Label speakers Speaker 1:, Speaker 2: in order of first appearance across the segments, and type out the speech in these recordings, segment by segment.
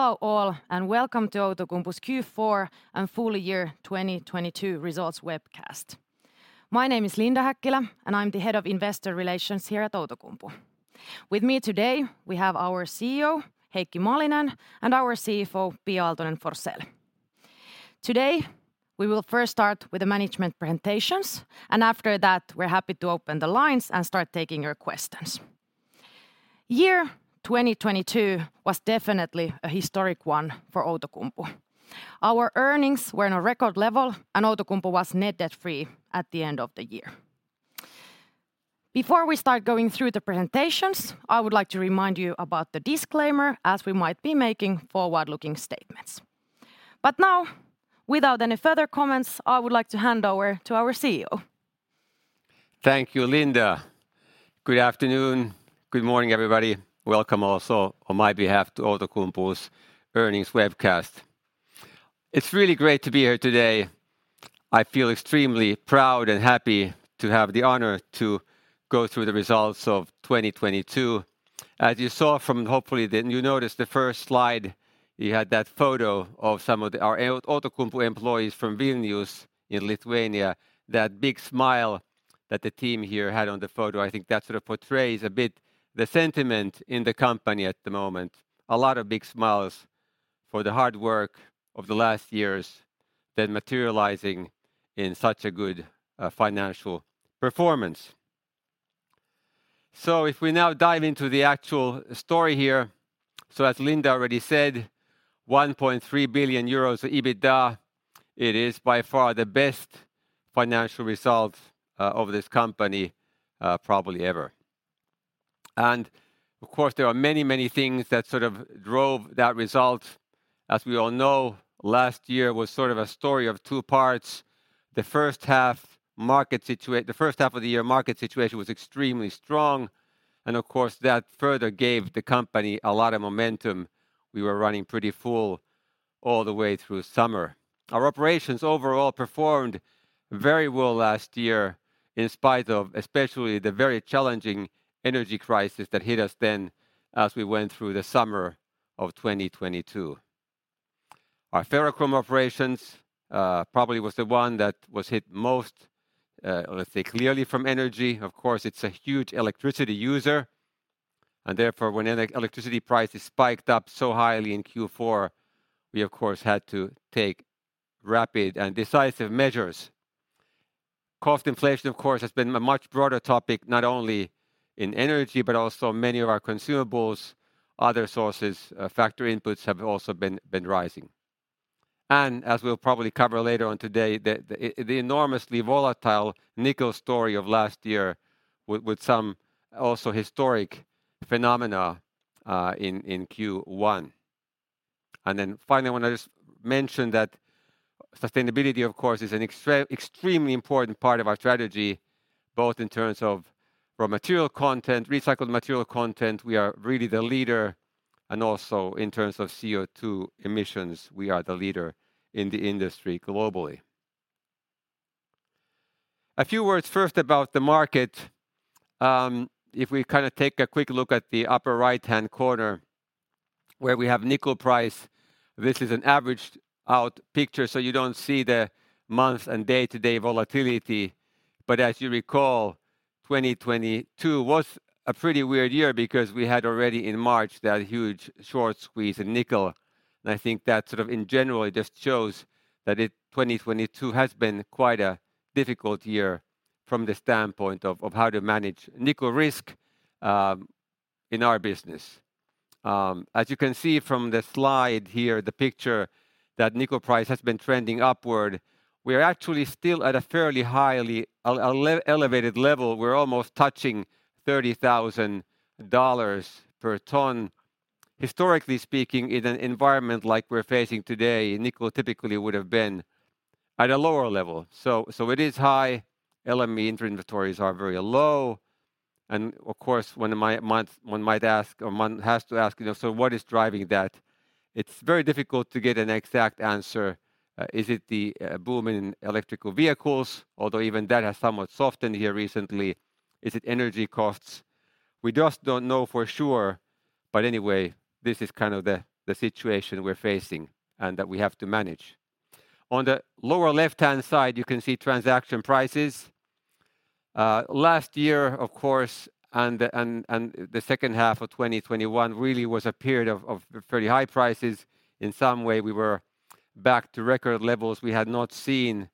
Speaker 1: Hello all, and welcome to Outokumpu's Q4 and full year 2022 results webcast. My name is Linda Häkkilä, and I'm the Head of Investor Relations here at Outokumpu. With me today, we have our CEO, Heikki Malinen, and our CFO, Pia Aaltonen-Forsell. Today, we will first start with the management presentations, and after that, we're happy to open the lines and start taking your questions. Year 2022 was definitely a historic one for Outokumpu. Our earnings were in a record level, and Outokumpu was net debt-free at the end of the year. Before we start going through the presentations, I would like to remind you about the disclaimer as we might be making forward-looking statements. Now, without any further comments, I would like to hand over to our CEO.
Speaker 2: Thank you, Linda. Good afternoon. Good morning, everybody. Welcome also on my behalf to Outokumpu's earnings webcast. It's really great to be here today. I feel extremely proud and happy to have the honor to go through the results of 2022. As you saw from, hopefully, then you noticed the first slide, you had that photo of our Outokumpu employees from Vilnius in Lithuania. That big smile that the team here had on the photo, I think that sort of portrays a bit the sentiment in the company at the moment. A lot of big smiles for the hard work of the last years then materializing in such a good financial performance. If we now dive into the actual story here, so as Linda already said, 1.3 billion euros EBITDA, it is by far the best financial result of this company, probably ever. Of course, there are many, many things that sort of drove that result. As we all know, last year was sort of a story of two parts. The first half of the year market situation was extremely strong, and of course, that further gave the company a lot of momentum. We were running pretty full all the way through summer. Our operations overall performed very well last year in spite of especially the very challenging energy crisis that hit us then as we went through the summer of 2022. Our ferrochrome operations, probably was the one that was hit most, or let's say clearly from energy. Of course, it's a huge electricity user, and therefore, when electricity prices spiked up so highly in Q4, we of course, had to take rapid and decisive measures. Cost inflation, of course, has been a much broader topic, not only in energy, but also many of our consumables, other sources, factory inputs have also been rising. As we'll probably cover later on today, the enormously volatile nickel story of last year with some also historic phenomena in Q1. Finally, I wanna just mention that sustainability, of course, is an extremely important part of our strategy, both in terms of raw material content, recycled material content, we are really the leader, and also in terms of CO2 emissions, we are the leader in the industry globally. A few words first about the market. If we kinda take a quick look at the upper right-hand corner where we have nickel price, this is an averaged-out picture, so you don't see the month and day-to-day volatility. As you recall, 2022 was a pretty weird year because we had already in March that huge short squeeze in nickel. I think that sort of in general just shows that 2022 has been quite a difficult year from the standpoint of how to manage nickel risk in our business. As you can see from the slide here, the picture that nickel price has been trending upward, we are actually still at a fairly highly elevated level. We're almost touching $30,000 per ton. Historically speaking, in an environment like we're facing today, nickel typically would have been at a lower level. It is high. LME inventories are very low. Of course, one might ask or one has to ask, you know, "So what is driving that?" It's very difficult to get an exact answer. Is it the boom in electrical vehicles? Although even that has somewhat softened here recently. Is it energy costs? We just don't know for sure. Anyway, this is kind of the situation we're facing and that we have to manage. On the lower left-hand side, you can see transaction prices. Last year, of course, and the second half of 2021 really was a period of fairly high prices. In some way, we were back to record levels we had not seen,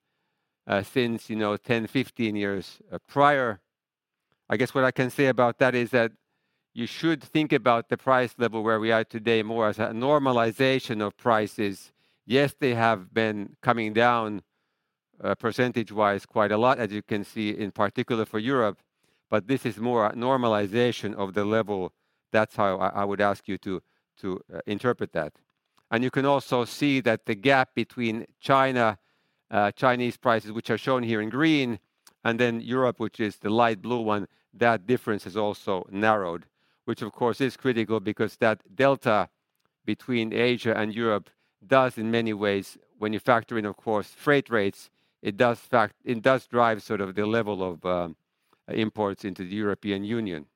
Speaker 2: since, you know, 10, 15 years prior. I guess what I can say about that is that you should think about the price level where we are today more as a normalization of prices. Yes, they have been coming down, percentage-wise quite a lot, as you can see in particular for Europe, but this is more a normalization of the level. That's how I would ask you to interpret that. You can also see that the gap between China, Chinese prices, which are shown here in green, and then Europe, which is the light blue one, that difference has also narrowed, which of course is critical because that delta between Asia and Europe does in many ways, when you factor in, of course, freight rates, it does drive sort of the level of imports into the European Union.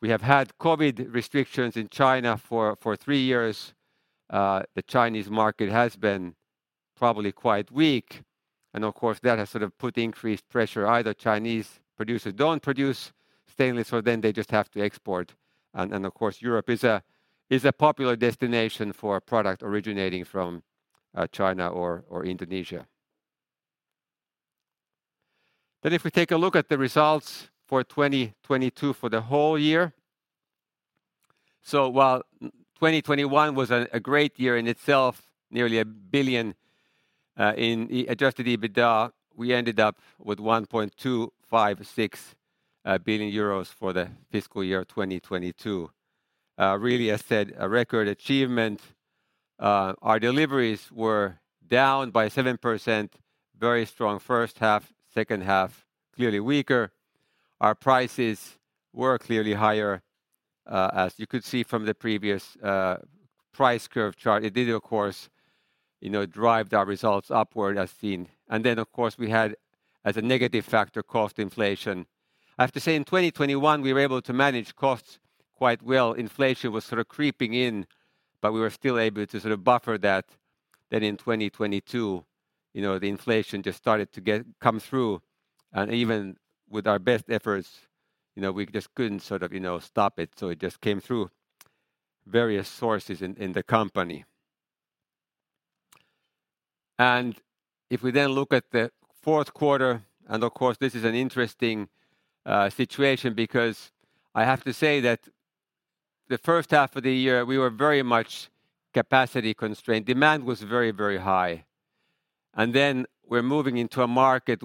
Speaker 2: We have had COVID restrictions in China for three years. The Chinese market has been probably quite weak and of course that has sort of put increased pressure. Either Chinese producers don't produce stainless or they just have to export and of course Europe is a popular destination for a product originating from China or Indonesia. If we take a look at the results for 2022 for the whole year. While 2021 was a great year in itself, nearly 1 billion in adjusted EBITDA, we ended up with 1.256 billion euros for the fiscal year of 2022. Really as said, a record achievement. Our deliveries were down by 7%, very strong first half, second half clearly weaker. Our prices were clearly higher, as you could see from the previous, price curve chart. It did of course, you know, drive our results upward as seen. Of course we had as a negative factor, cost inflation. I have to say in 2021 we were able to manage costs quite well. Inflation was sort of creeping in, but we were still able to sort of buffer that. In 2022, you know, the inflation just started to come through and even with our best efforts, you know, we just couldn't sort of, you know, stop it. It just came through various sources in the company. If we then look at the fourth quarter, and of course this is an interesting, situation because I have to say that the first half of the year we were very much capacity constrained. Demand was very, very high. We're moving into a market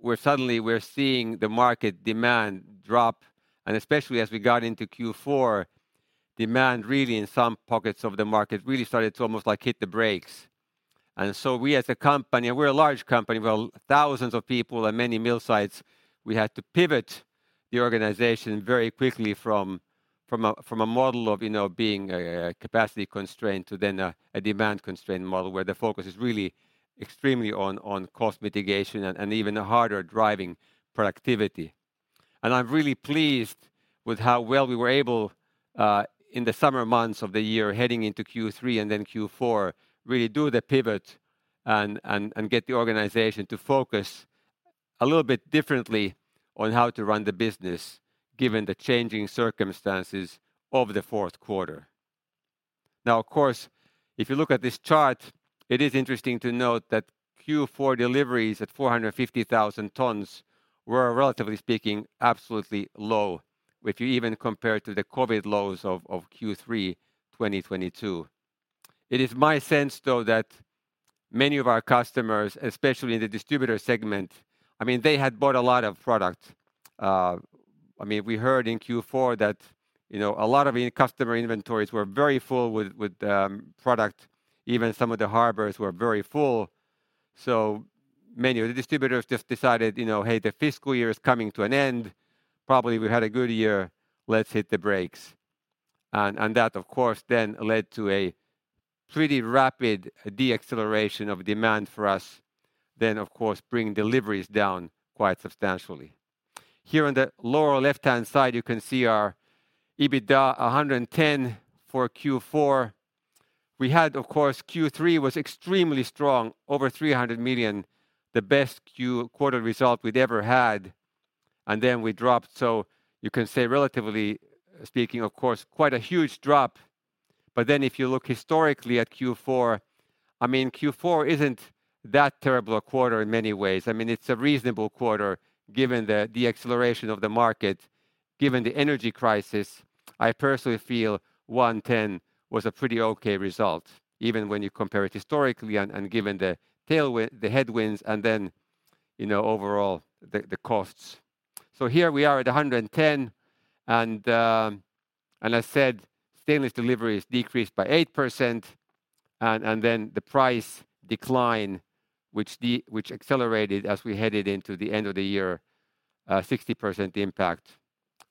Speaker 2: where suddenly we're seeing the market demand drop. Especially as we got into Q4, demand really in some pockets of the market really started to almost like hit the brakes. We as a company, and we're a large company with thousands of people and many mill sites, we had to pivot the organization very quickly from a model of, you know, being a capacity constraint to then a demand constraint model where the focus is really extremely on cost mitigation and even a harder driving productivity. I'm really pleased with how well we were able in the summer months of the year heading into Q3 and then Q4, really do the pivot and get the organization to focus a little bit differently on how to run the business given the changing circumstances of the fourth quarter. Of course, if you look at this chart, it is interesting to note that Q4 deliveries at 450,000 tons were relatively speaking, absolutely low. If you even compare to the COVID lows of Q3 2022. It is my sense though that many of our customers, especially in the distributor segment, I mean they had bought a lot of product. I mean, we heard in Q4 that, you know, a lot of customer inventories were very full with product. Even some of the harbors were very full. Many of the distributors just decided, you know, "Hey, the fiscal year is coming to an end. Probably we had a good year, let's hit the brakes." That of course then led to a pretty rapid deacceleration of demand for us, then of course bringing deliveries down quite substantially. Here on the lower left-hand side, you can see our EBITDA 110 for Q4. We had, of course, Q3 was extremely strong, over 300 million, the best quarter result we'd ever had, and then we dropped. You can say relatively speaking of course, quite a huge drop. If you look historically at Q4, I mean, Q4 isn't that terrible a quarter in many ways. I mean, it's a reasonable quarter given the acceleration of the market, given the energy crisis. I personally feel 110 was a pretty okay result even when you compare it historically and given the tailwind. The headwinds and then overall the costs. Here we are at 110 and I said stainless deliveries decreased by 8%. Then the price decline, which accelerated as we headed into the end of the year, 60% impact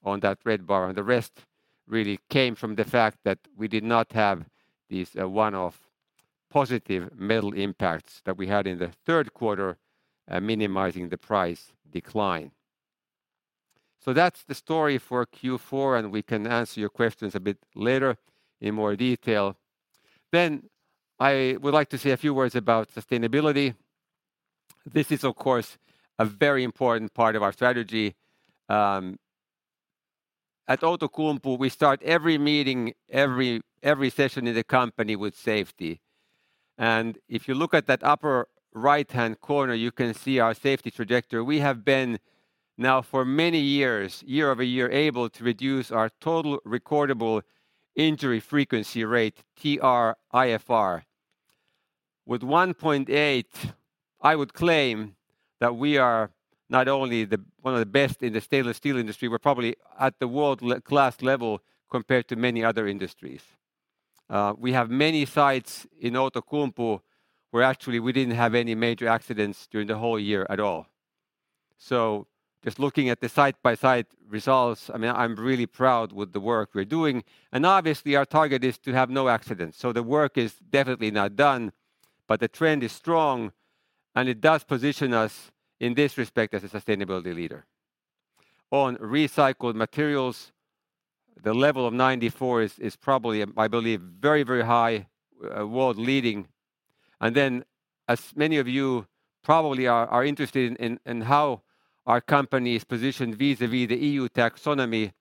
Speaker 2: on that red bar. The rest really came from the fact that we did not have these one-off positive metal impacts that we had in the third quarter, minimizing the price decline. That's the story for Q4, and we can answer your questions a bit later in more detail. I would like to say a few words about sustainability. This is of course a very important part of our strategy. At Outokumpu, we start every meeting, every session in the company with safety. If you look at that upper right-hand corner, you can see our safety trajectory. We have been now for many years, year-over-year, able to reduce our total recordable injury frequency rate, TRIFR. With 1.8, I would claim that we are not only one of the best in the stainless steel industry, we're probably at the world-class level compared to many other industries. We have many sites in Outokumpu where actually we didn't have any major accidents during the whole year at all. Just looking at the site-by-site results, I mean, I'm really proud with the work we're doing. Obviously, our target is to have no accidents, so the work is definitely not done. The trend is strong, and it does position us in this respect as a sustainability leader. On recycled materials, the level of 94 is probably, I believe very, very high, world-leading. As many of you probably are interested in how our company is positioned vis-à-vis the EU taxonomy,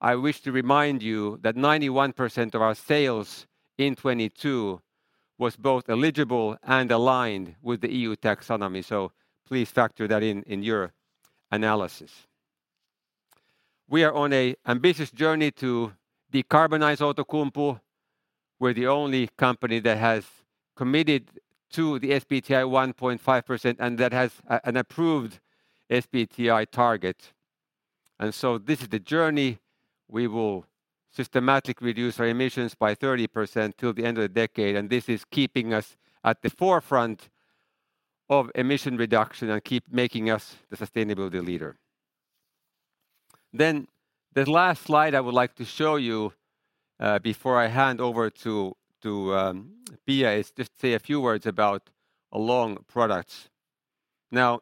Speaker 2: I wish to remind you that 91% of our sales in 2022 was both eligible and aligned with the EU taxonomy. Please factor that in in your analysis. We are on a ambitious journey to decarbonize Outokumpu. We're the only company that has committed to the SBTi 1.5%, and that has an approved SBTi target. This is the journey. We will systematically reduce our emissions by 30% till the end of the decade, this is keeping us at the forefront of emission reduction and keep making us the sustainability leader. The last slide I would like to show you before I hand over to Pia is just say a few words about Long Products. I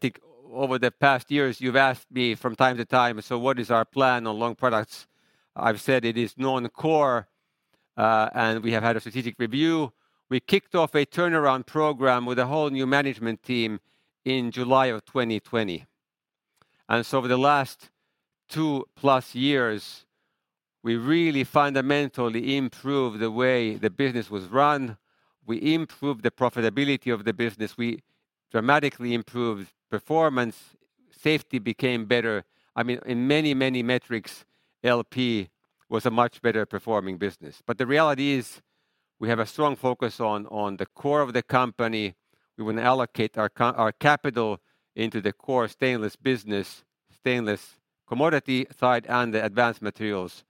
Speaker 2: think over the past years you've asked me from time to time, "What is our plan on Long Products?" I've said it is non-core, we have had a strategic review. We kicked off a turnaround program with a whole new management team in July of 2020. Over the last 2-plus years, we really fundamentally improved the way the business was run. We improved the profitability of the business. We dramatically improved performance. Safety became better. I mean, in many, many metrics, LP was a much better performing business. The reality is we have a strong focus on the core of the company. We want to allocate our capital into the core stainless business, stainless commodity side, and the advanced materials.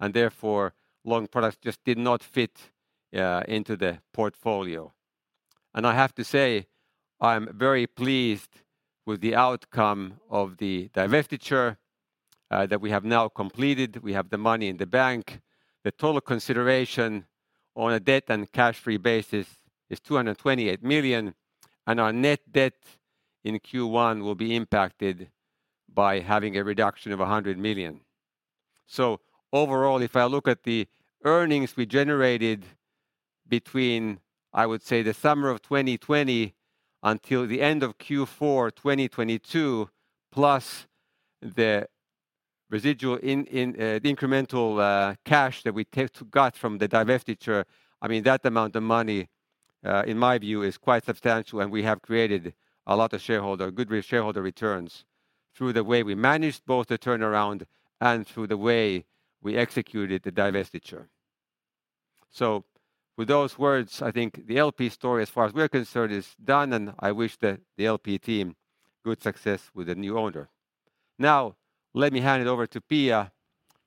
Speaker 2: Therefore, Long Products just did not fit into the portfolio. I have to say, I am very pleased with the outcome of the divestiture that we have now completed. We have the money in the bank. The total consideration on a debt and cash-free basis is 228 million, and our net debt in Q1 will be impacted by having a reduction of 100 million. Overall, if I look at the earnings we generated between, I would say, the summer of 2020 until the end of Q4 2022, plus the residual in the incremental cash that we got from the divestiture, I mean, that amount of money, in my view is quite substantial. We have created a lot of shareholder, good shareholder returns through the way we managed both the turnaround and through the way we executed the divestiture. With those words, I think the LP story, as far as we're concerned, is done, and I wish the LP team good success with the new owner. Let me hand it over to Pia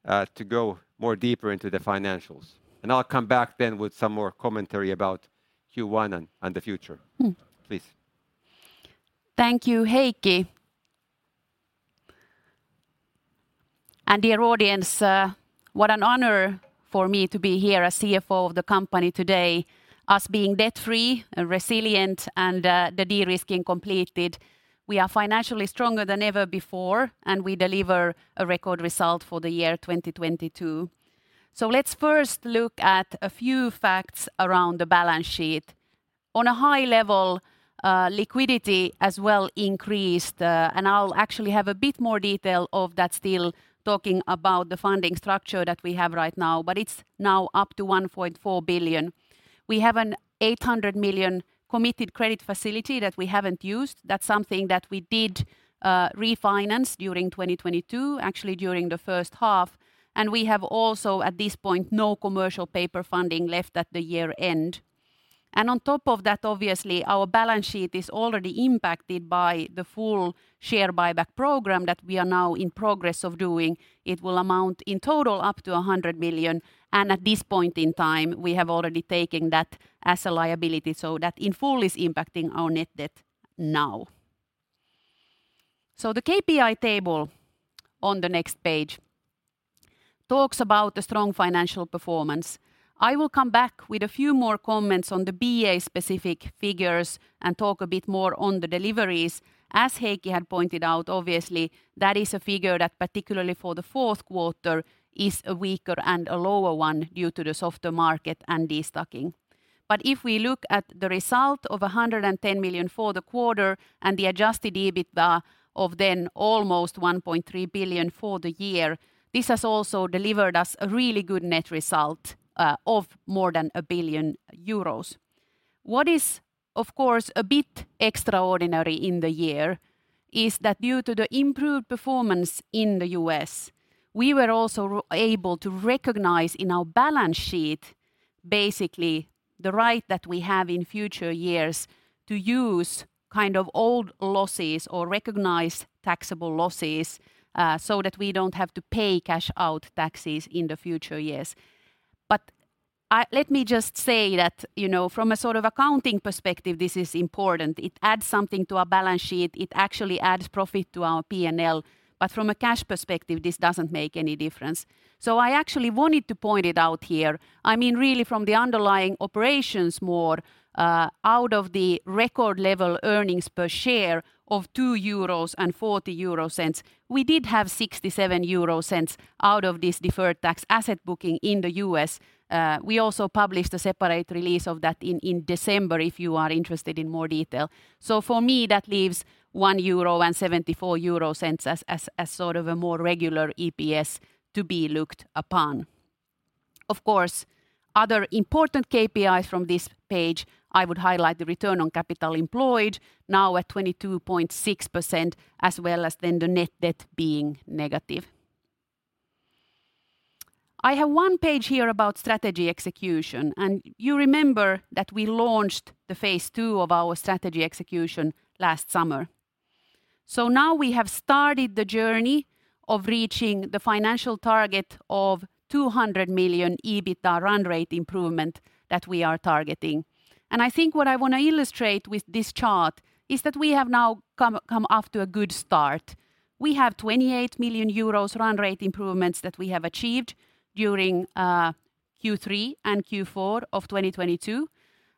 Speaker 2: to go more deeper into the financials. I'll come back then with some more commentary about Q1 and the future.
Speaker 3: Mm.
Speaker 2: Please.
Speaker 3: Thank you, Heikki. Dear audience, what an honor for me to be here as CFO of the company today, us being debt-free and resilient and the de-risking completed. We are financially stronger than ever before, and we deliver a record result for the year 2022. Let's first look at a few facts around the balance sheet. On a high level, liquidity as well increased, and I'll actually have a bit more detail of that still talking about the funding structure that we have right now, but it's now up to 1.4 billion. We have an 800 million committed credit facility that we haven't used. That's something that we did refinance during 2022, actually during the first half. We have also at this point, no commercial paper funding left at the year-end. On top of that, obviously, our balance sheet is already impacted by the full share buyback program that we are now in progress of doing. It will amount in total up to 100 million, and at this point in time, we have already taken that as a liability so that in full is impacting our net debt now. The KPI table on the next page talks about the strong financial performance. I will come back with a few more comments on the BA specific figures and talk a bit more on the deliveries. As Heikki had pointed out, obviously, that is a figure that particularly for the fourth quarter is a weaker and a lower one due to the softer market and destocking. If we look at the result of 110 million for the quarter and the adjusted EBITDA of then almost 1.3 billion for the year, this has also delivered us a really good net result of more than 1 billion euros. What is, of course, a bit extraordinary in the year is that due to the improved performance in the U.S., we were also able to recognize in our balance sheet basically the right that we have in future years to use kind of old losses or recognize taxable losses, so that we don't have to pay cash out taxes in the future years. Let me just say that, you know, from a sort of accounting perspective, this is important. It adds something to our balance sheet. It actually adds profit to our P&L. From a cash perspective, this doesn't make any difference. I actually wanted to point it out here. I mean, really from the underlying operations more, out of the record level earnings per share of 2.40 euros, we did have 0.67 out of this deferred tax asset booking in the U.S. We also published a separate release of that in December, if you are interested in more detail. For me, that leaves 1.74 euro as sort of a more regular EPS to be looked upon. Of course, other important KPIs from this page, I would highlight the return on capital employed now at 22.6% as well as then the net debt being negative. I have one page here about strategy execution. You remember that we launched the phase two of our strategy execution last summer. Now we have started the journey of reaching the financial target of 200 million EBITDA run rate improvement that we are targeting. I think what I wanna illustrate with this chart is that we have now come off to a good start. We have 28 million euros run rate improvements that we have achieved during Q3 and Q4 of 2022.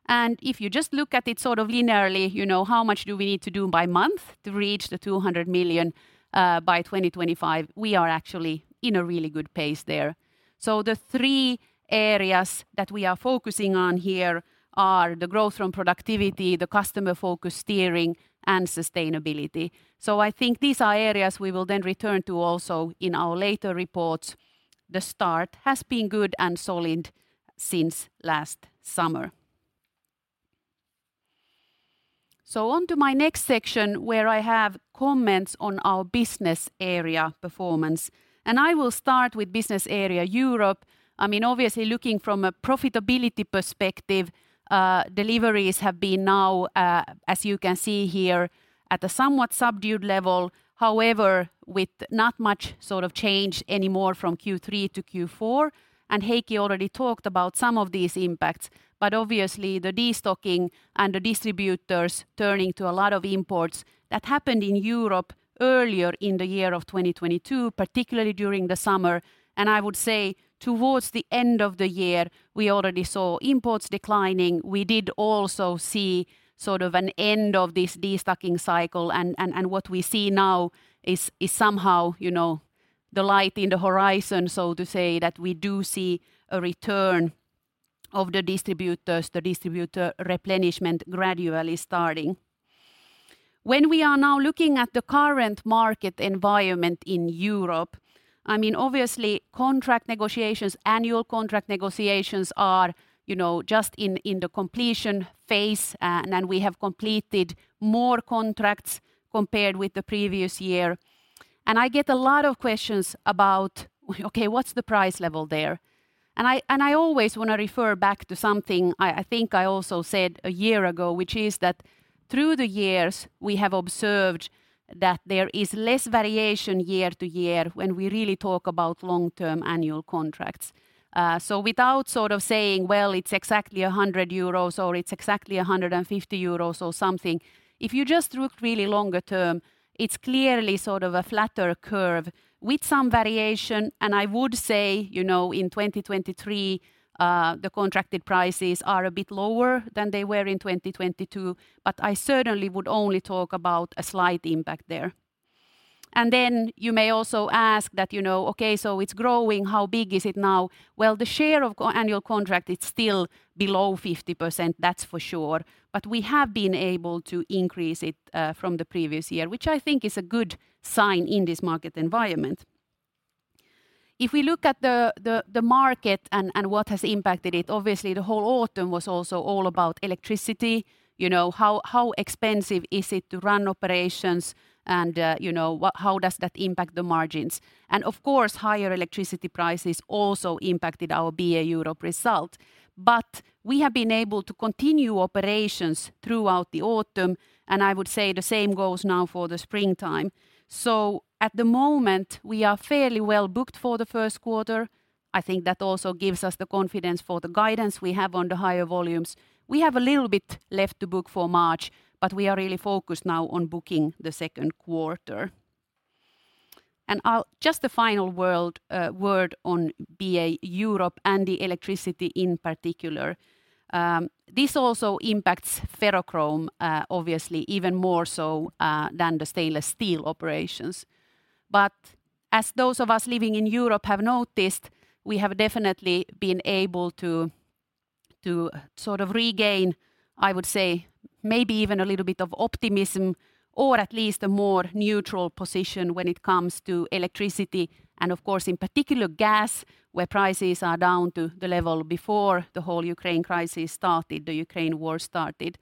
Speaker 3: If you just look at it sort of linearly, you know, how much do we need to do by month to reach the 200 million by 2025, we are actually in a really good pace there. The three areas that we are focusing on here are the growth from productivity, the customer-focused steering, and sustainability. I think these are areas we will then return to also in our later reports. The start has been good and solid since last summer. On to my next section, where I have comments on our business area performance. I will start with Business Area Europe. I mean, obviously, looking from a profitability perspective, deliveries have been now, as you can see here, at a somewhat subdued level, however, with not much sort of change anymore from Q3 to Q4. Heikki already talked about some of these impacts. Obviously, the destocking and the distributors turning to a lot of imports, that happened in Europe earlier in the year of 2022, particularly during the summer. I would say towards the end of the year, we already saw imports declining. We did also see sort of an end of this destocking cycle, and what we see now is somehow, you know, the light in the horizon, so to say, that we do see a return of the distributors, the distributor replenishment gradually starting. When we are now looking at the current market environment in Europe, I mean, obviously contract negotiations, annual contract negotiations are, you know, just in the completion phase. We have completed more contracts compared with the previous year. I get a lot of questions about, okay, what's the price level there? I always wanna refer back to something I think I also said a year ago, which is that through the years, we have observed that there is less variation year to year when we really talk about long-term annual contracts. Without sort of saying, well, it's exactly 100 euros, or it's exactly 150 euros or something, if you just look really longer term, it's clearly sort of a flatter curve with some variation. I would say, you know, in 2023, the contracted prices are a bit lower than they were in 2022, I certainly would only talk about a slight impact there. You may also ask that, you know, okay, it's growing. How big is it now? Well, the share of annual contract is still below 50%, that's for sure. We have been able to increase it from the previous year, which I think is a good sign in this market environment. If we look at the market and what has impacted it, obviously the whole autumn was also all about electricity. You know, how expensive is it to run operations and you know, how does that impact the margins? Of course, higher electricity prices also impacted our BA Europe result. We have been able to continue operations throughout the autumn, and I would say the same goes now for the springtime. At the moment, we are fairly well booked for the first quarter. I think that also gives us the confidence for the guidance we have on the higher volumes. We have a little bit left to book for March, we are really focused now on booking the second quarter. Just a final word on BA Europe and the electricity in particular. This also impacts ferrochrome, obviously even more so than the stainless steel operations. As those of us living in Europe have noticed, we have definitely been able to sort of regain, I would say, maybe even a little bit of optimism or at least a more neutral position when it comes to electricity and of course, in particular gas, where prices are down to the level before the whole Ukraine crisis started, the Ukraine war started.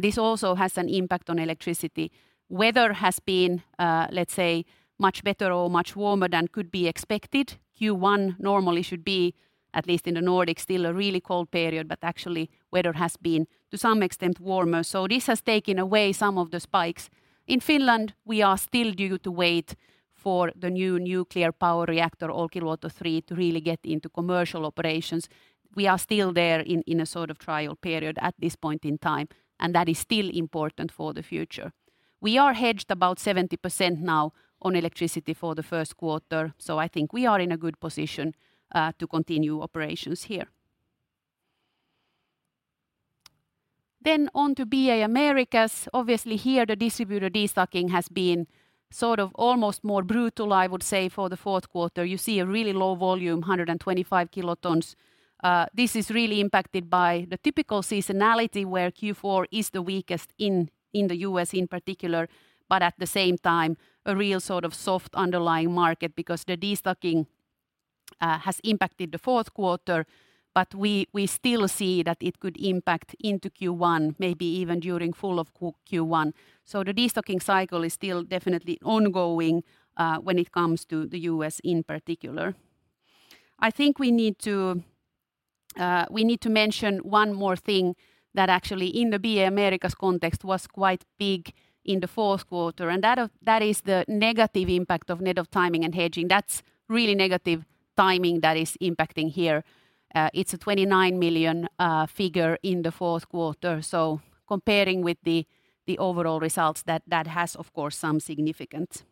Speaker 3: This also has an impact on electricity. Weather has been, let's say, much better or much warmer than could be expected. Q1 normally should be, at least in the Nordic, still a really cold period, but actually weather has been, to some extent, warmer. This has taken away some of the spikes. In Finland, we are still due to wait for the new nuclear power reactor, Olkiluoto 3, to really get into commercial operations. We are still there in a sort of trial period at this point in time. That is still important for the future. We are hedged about 70% now on electricity for the first quarter. I think we are in a good position to continue operations here. On to BA Americas. Obviously here, the distributor destocking has been sort of almost more brutal, I would say, for the fourth quarter. You see a really low volume, 125 kilotons. This is really impacted by the typical seasonality where Q4 is the weakest in the U.S. in particular. At the same time, a real sort of soft underlying market because the destocking has impacted the fourth quarter. We still see that it could impact into Q1, maybe even during full Q1. The destocking cycle is still definitely ongoing when it comes to the U.S. in particular. I think we need to mention one more thing that actually in the BA Americas context was quite big in the fourth quarter, and that is the negative impact of net of timing and hedging. That's really negative timing that is impacting here. It's a 29 million figure in the fourth quarter. Comparing with the overall results that has, of course, some significance.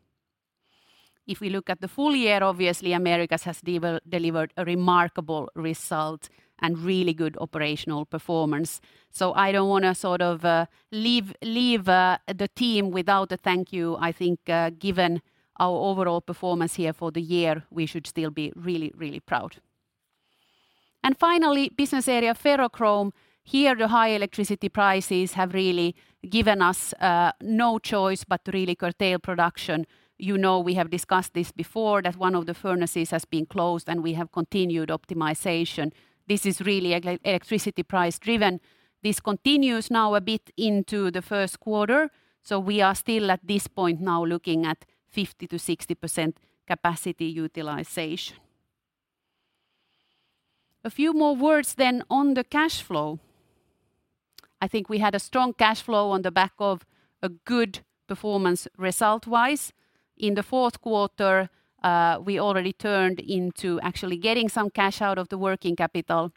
Speaker 3: If we look at the full year, obviously, Americas has delivered a remarkable result and really good operational performance. I don't wanna sort of leave the team without a thank you. I think, given our overall performance here for the year, we should still be really, really proud. Finally, Business Area Ferrochrome. Here, the high electricity prices have really given us no choice but to really curtail production. You know, we have discussed this before, that one of the furnaces has been closed, and we have continued optimization. This is really electricity price driven. This continues now a bit into the first quarter, so we are still at this point now looking at 50%-60% capacity utilization. A few more words on the cash flow. I think we had a strong cash flow on the back of a good performance result-wise. In the fourth quarter, we already turned into actually getting some cash out of the working capital.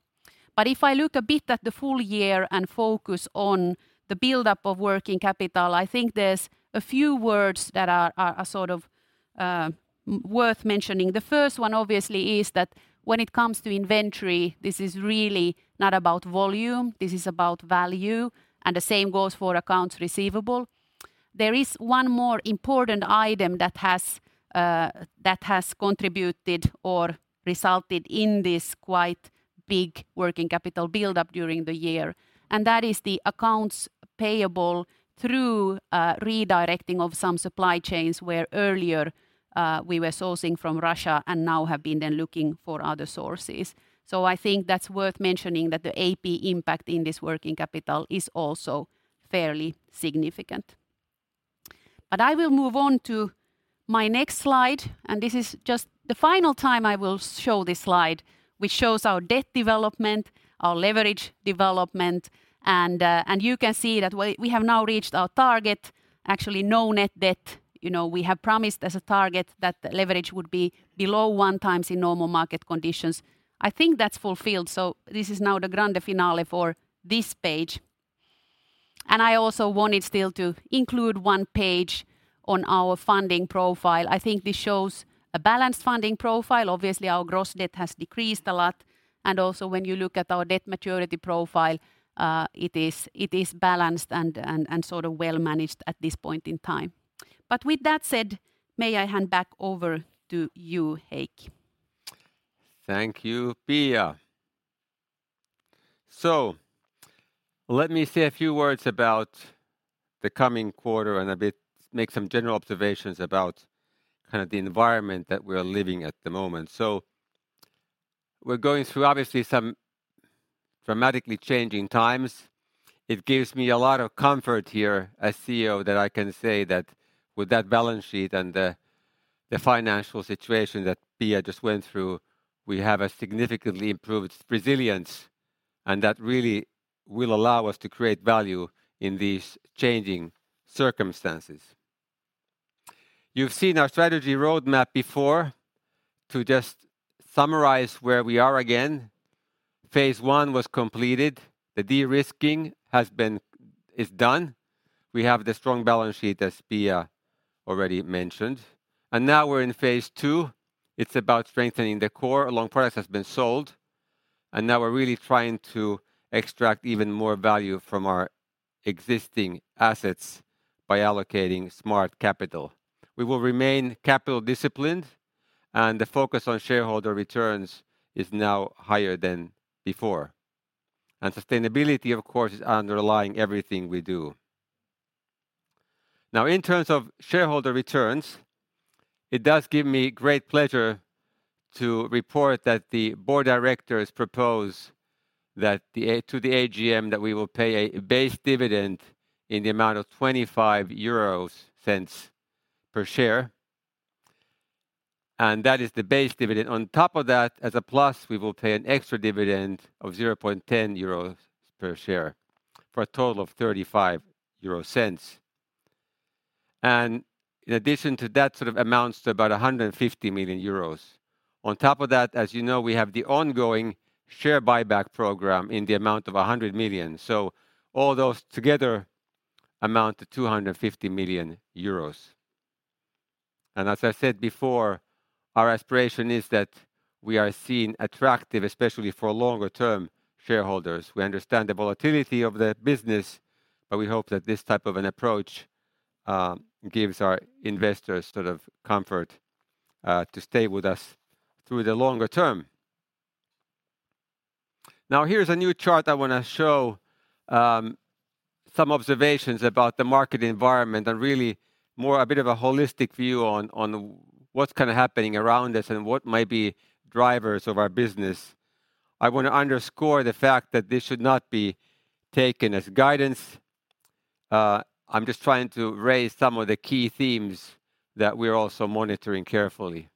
Speaker 3: If I look a bit at the full year and focus on the buildup of working capital, I think there's a few words that are, sort of, worth mentioning. The first one, obviously, is that when it comes to inventory, this is really not about volume, this is about value, and the same goes for accounts receivable. There is one more important item that has contributed or resulted in this quite big working capital buildup during the year, and that is the accounts payable through redirecting of some supply chains where earlier, we were sourcing from Russia and now have been then looking for other sources. I think that's worth mentioning that the AP impact in this working capital is also fairly significant. I will move on to my next slide, and this is just the final time I will show this slide, which shows our debt development, our leverage development, and you can see that we have now reached our target, actually no net debt. You know, we have promised as a target that the leverage would be below one times in normal market conditions. I think that's fulfilled, so this is now the grand finale for this page. I also wanted still to include one page on our funding profile. I think this shows a balanced funding profile. Obviously, our gross debt has decreased a lot, and also when you look at our debt maturity profile, it is balanced and sort of well-managed at this point in time. With that said, may I hand back over to you, Heikki.
Speaker 2: Thank you, Pia. Let me say a few words about the coming quarter and a bit make some general observations about kind of the environment that we're living at the moment. We're going through obviously some dramatically changing times. It gives me a lot of comfort here as CEO that I can say that with that balance sheet and the financial situation that Pia just went through, we have a significantly improved resilience, and that really will allow us to create value in these changing circumstances. You've seen our strategy roadmap before. To just summarize where we are again, phase 1 was completed. The de-risking is done. We have the strong balance sheet, as Pia already mentioned. Now we're in phase two. It's about strengthening the core. Olkiluoto has been sold. Now we're really trying to extract even more value from our existing assets by allocating smart capital. We will remain capital disciplined. The focus on shareholder returns is now higher than before. Sustainability, of course, is underlying everything we do. Now, in terms of shareholder returns, it does give me great pleasure to report that the board directors propose to the AGM that we will pay a base dividend in the amount of 0.25 per share. That is the base dividend. On top of that, as a plus, we will pay an extra dividend of 0.10 euros per share for a total of 0.35. In addition to that sort of amounts to about 150 million euros. On top of that, as you know, we have the ongoing share buyback program in the amount of 100 million. All those together amount to 250 million euros. As I said before, our aspiration is that we are seen attractive, especially for longer term shareholders. We understand the volatility of the business, but we hope that this type of an approach gives our investors sort of comfort to stay with us through the longer term. Here's a new chart I wanna show, some observations about the market environment and really more a bit of a holistic view on what's kinda happening around us and what might be drivers of our business. I wanna underscore the fact that this should not be taken as guidance. I'm just trying to raise some of the key themes that we're also monitoring carefully.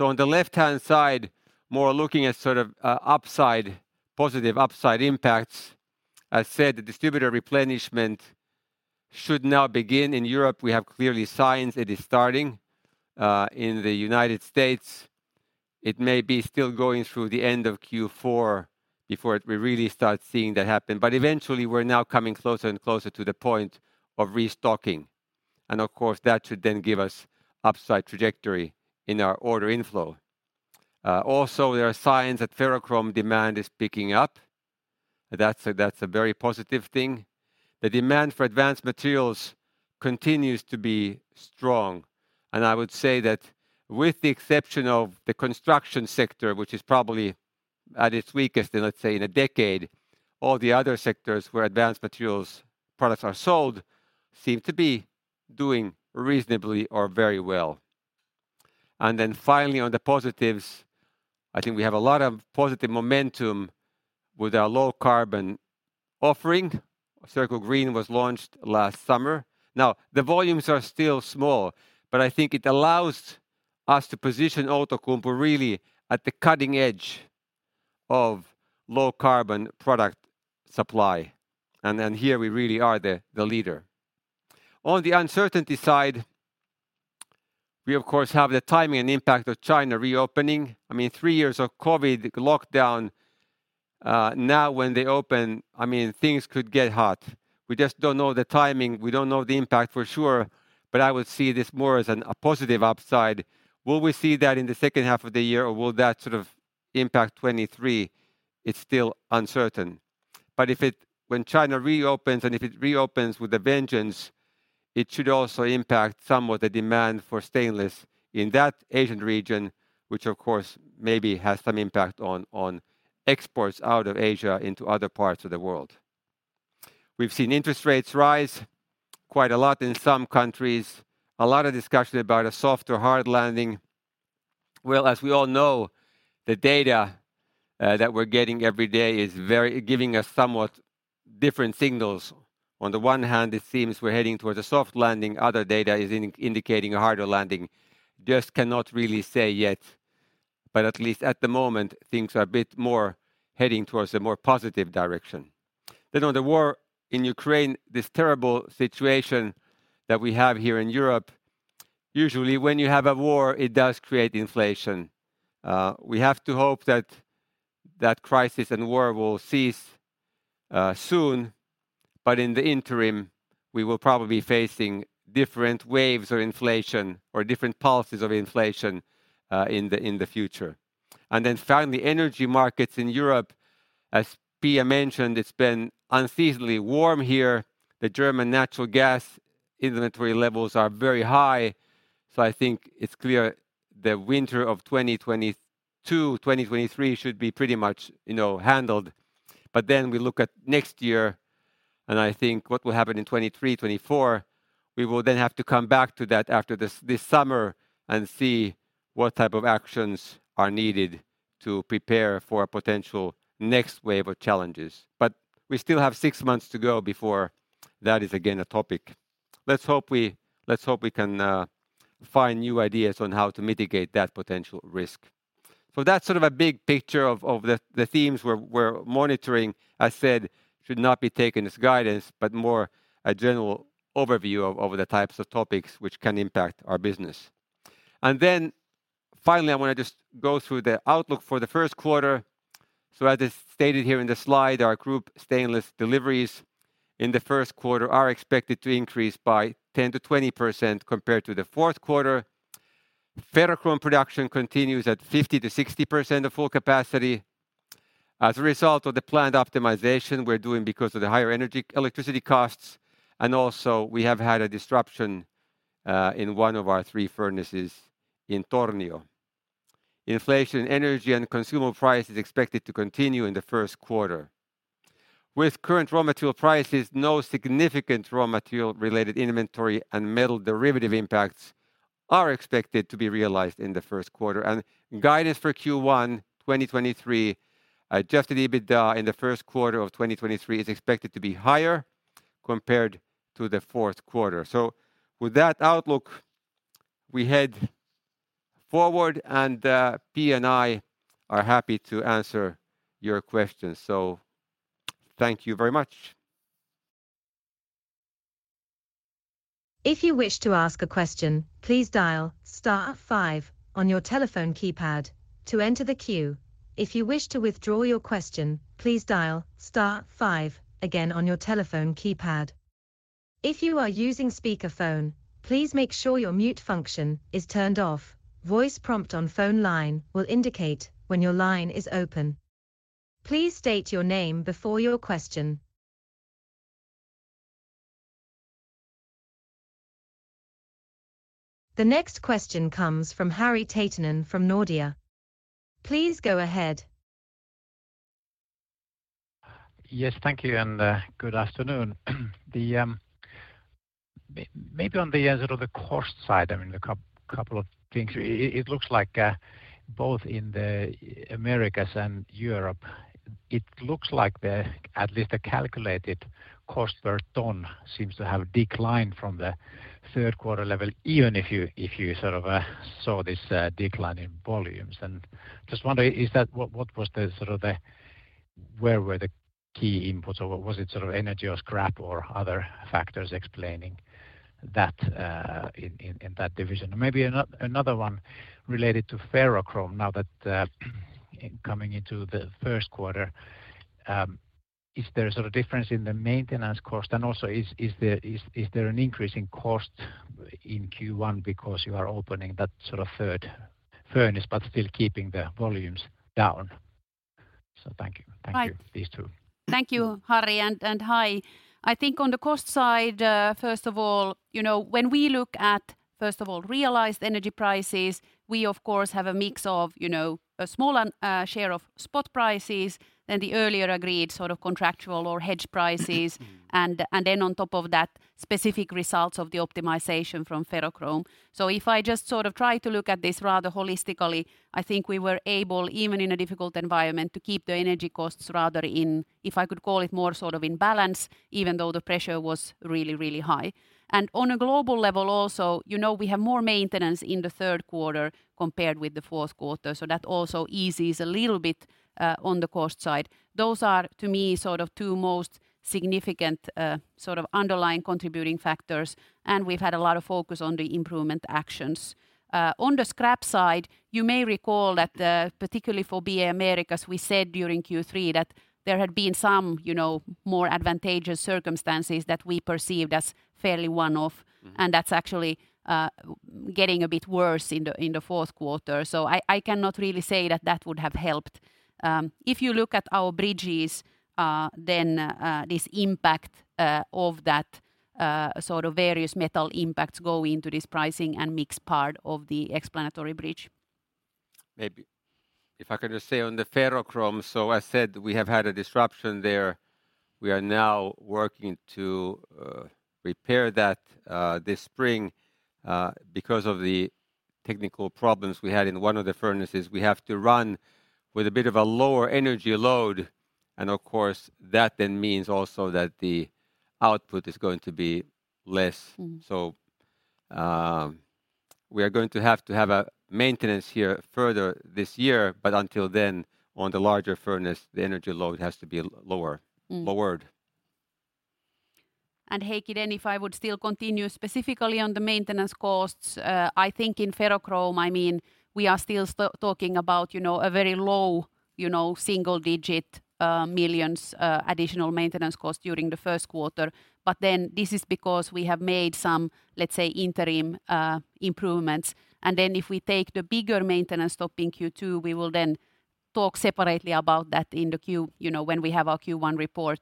Speaker 2: On the left-hand side, more looking at sort of upside, positive upside impacts. I said the distributor replenishment should now begin in Europe. We have clearly signs it is starting. In the United States, it may be still going through the end of Q4 before we really start seeing that happen. Eventually, we're now coming closer and closer to the point of restocking. Of course, that should then give us upside trajectory in our order inflow. Also there are signs that ferrochrome demand is picking up. That's a very positive thing. The demand for advanced materials continues to be strong, and I would say that with the exception of the construction sector, which is probably at its weakest in, let's say, in a decade, all the other sectors where advanced materials products are sold seem to be doing reasonably or very well. Finally, on the positives, I think we have a lot of positive momentum with our low carbon offering. Circle Green was launched last summer. Now, the volumes are still small, but I think it allows us to position Outokumpu really at the cutting edge of low carbon product supply, and then here we really are the leader. On the uncertainty side, we of course have the timing and impact of China reopening. I mean, three years of COVID lockdown, now when they open, I mean, things could get hot. We just don't know the timing. We don't know the impact for sure, but I would see this more as a positive upside. Will we see that in the second half of the year, or will that sort of impact 2023? It's still uncertain. If it... If it reopens with a vengeance, it should also impact somewhat the demand for stainless in that Asian region, which of course maybe has some impact on exports out of Asia into other parts of the world. We've seen interest rates rise quite a lot in some countries. A lot of discussion about a soft or hard landing. As we all know, the data that we're getting every day is giving us somewhat different signals. On the one hand, it seems we're heading towards a soft landing, other data is indicating a harder landing. Cannot really say yet, but at least at the moment, things are a bit more heading towards a more positive direction. On the war in Ukraine, this terrible situation that we have here in Europe, usually when you have a war, it does create inflation. We have to hope that that crisis and war will cease soon. In the interim, we will probably facing different waves of inflation or different policies of inflation in the future. Finally, energy markets in Europe, as Pia mentioned, it's been unseasonably warm here. The German natural gas inventory levels are very high, so I think it's clear the winter of 2022, 2023 should be pretty much, you know, handled. We look at next year, and I think what will happen in 2023, 2024, we will then have to come back to that after this summer and see what type of actions are needed to prepare for a potential next wave of challenges. We still have six months to go before that is again a topic. Let's hope we can find new ideas on how to mitigate that potential risk. That's sort of a big picture of the themes we're monitoring. I said should not be taken as guidance, but more a general overview of the types of topics which can impact our business. Finally, I wanna just go through the outlook for the first quarter. As is stated here in the slide, our group stainless deliveries in the first quarter are expected to increase by 10%-20% compared to the fourth quarter. Ferrochrome production continues at 50%-60% of full capacity as a result of the planned optimization we're doing because of the higher energy electricity costs, and also we have had a disruption in one of our three furnaces in Tornio. Inflation, energy, and consumable price is expected to continue in the first quarter. With current raw material prices, no significant raw material related inventory and metal derivative impacts are expected to be realized in the first quarter. Guidance for Q1 2023, adjusted EBITDA in the first quarter of 2023 is expected to be higher compared to the fourth quarter. With that outlook, we head forward, and Pia and I are happy to answer your questions. Thank you very much.
Speaker 4: If you wish to ask a question, please dial star five on your telephone keypad to enter the queue. If you wish to withdraw your question, please dial star five again on your telephone keypad. If you are using speakerphone, please make sure your mute function is turned off. Voice prompt on phone line will indicate when your line is open. Please state your name before your question. The next question comes from Harri Taittonen from Nordea. Please go ahead.
Speaker 5: Yes, thank you and good afternoon. The on the end of the cost side, I mean, a couple of things. It looks like both in the Americas and Europe, it looks like the at least a calculated cost per ton seems to have declined from the third quarter level, even if you, if you sort of saw this decline in volumes. Just wonder, what was the sort of the where were the key inputs, or was it sort of energy or scrap or other factors explaining that in that division? Maybe another one related to ferrochrome now that coming into the first quarter, is there a sort of difference in the maintenance cost? Also is there an increase in cost in Q1 because you are opening that sort of third furnace but still keeping the volumes down? Thank you.
Speaker 3: Right.
Speaker 5: Thank you. These two.
Speaker 3: Thank you, Harri, and hi. I think on the cost side, first of all, you know, when we look at realized energy prices, we of course have a mix of, you know, a small share of spot prices than the earlier agreed sort of contractual or hedge prices. Then on top of that, specific results of the optimization from ferrochrome. If I just sort of try to look at this rather holistically, I think we were able, even in a difficult environment, to keep the energy costs rather in, if I could call it more sort of in balance, even though the pressure was really, really high. On a global level also, you know, we have more maintenance in the third quarter compared with the fourth quarter. That also eases a little bit on the cost side. Those are, to me, sort of two most significant, sort of underlying contributing factors. We've had a lot of focus on the improvement actions. On the scrap side, you may recall that, particularly for BA Americas, we said during Q3 that there had been some, you know, more advantageous circumstances that we perceived as fairly one-off. That's actually getting a bit worse in the fourth quarter. I cannot really say that that would have helped. If you look at our bridges, then, this impact, of that, sort of various metal impacts go into this pricing and mix part of the explanatory bridge.
Speaker 2: Maybe if I could just say on the ferrochrome, so I said we have had a disruption there. We are now working to repair that this spring. Because of the technical problems we had in one of the furnaces, we have to run with a bit of a lower energy load. Of course, that then means also that the output is going to be less.
Speaker 3: Mm.
Speaker 2: We are going to have to have a maintenance here further this year, but until then, on the larger furnace, the energy load has to be lower.
Speaker 3: Mm.
Speaker 2: Lowered.
Speaker 3: Heikki, if I would still continue specifically on the maintenance costs, I think in ferrochrome, I mean, we are still talking about, you know, a very low, you know, EUR single digit millions additional maintenance cost during the first quarter. This is because we have made some, let's say, interim improvements. If we take the bigger maintenance stop in Q2, we will talk separately about that in the Q, you know, when we have our Q1 report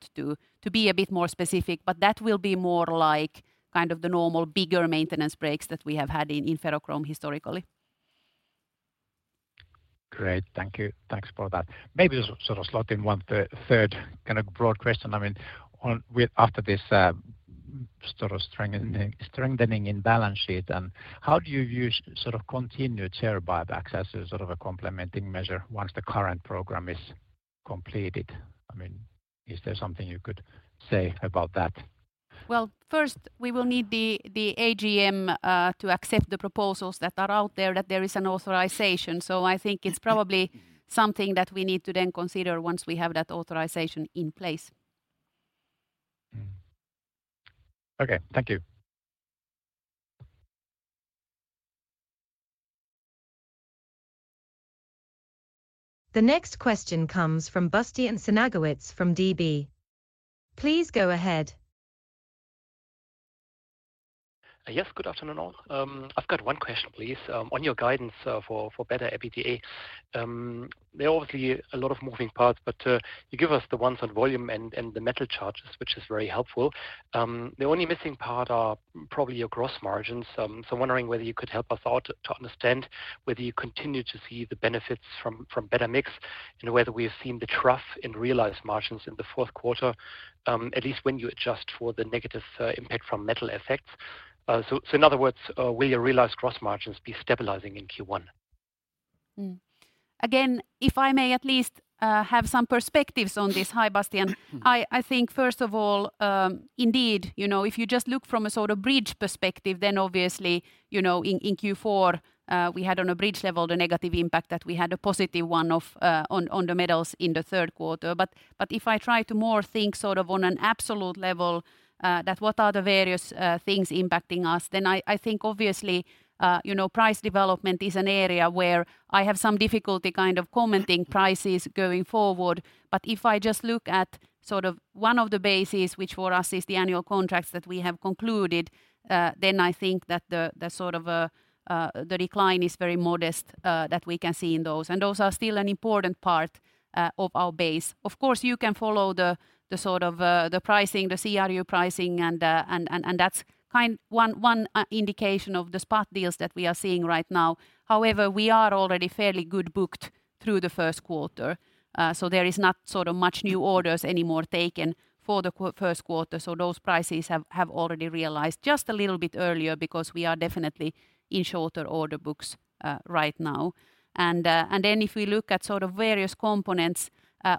Speaker 3: to be a bit more specific. That will be more like kind of the normal bigger maintenance breaks that we have had in ferrochrome historically.
Speaker 5: Great. Thank you. Thanks for that. Maybe just sort of slot in one third kind of broad question. I mean, after this, sort of strengthening in balance sheet, how do you use sort of continued share buybacks as a sort of a complementing measure once the current program is completed? I mean, is there something you could say about that?
Speaker 3: First, we will need the AGM to accept the proposals that are out there, that there is an authorization. I think it's probably something that we need to then consider once we have that authorization in place.
Speaker 5: Okay. Thank you.
Speaker 4: The next question comes from Bastian Synagowitz from Deutsche Bank. Please go ahead.
Speaker 6: Yes, good afternoon, all. I've got one question, please. On your guidance for better EBITDA, there are obviously a lot of moving parts, but you give us the ones on volume and the metal charges, which is very helpful. The only missing part are probably your gross margins. Wondering whether you could help us out to understand whether you continue to see the benefits from better mix and whether we have seen the trough in realized margins in the fourth quarter, at least when you adjust for the negative impact from metal effects. In other words, will your realized gross margins be stabilizing in Q1?
Speaker 3: Mm-hmm. Again, if I may at least, have some perspectives on this. Hi, Bastian.
Speaker 6: Mm-hmm.
Speaker 3: I think first of all, indeed, you know, if you just look from a sort of bridge perspective, then obviously, you know, in Q4, we had on a bridge level the negative impact that we had a positive one of on the metals in the third quarter. If I try to more think sort of on an absolute level, that what are the various things impacting us, then I think obviously, you know, price development is an area where I have some difficulty kind of commenting prices going forward. If I just look at sort of one of the bases, which for us is the annual contracts that we have concluded, then I think that the sort of the decline is very modest that we can see in those. Those are still an important part of our base. Of course, you can follow the sort of, the pricing, the CRU pricing, and that's one indication of the spot deals that we are seeing right now. However, we are already fairly good booked through the first quarter, so there is not sort of much new orders anymore taken for the first quarter. Those prices have already realized just a little bit earlier because we are definitely in shorter order books right now. Then if we look at sort of various components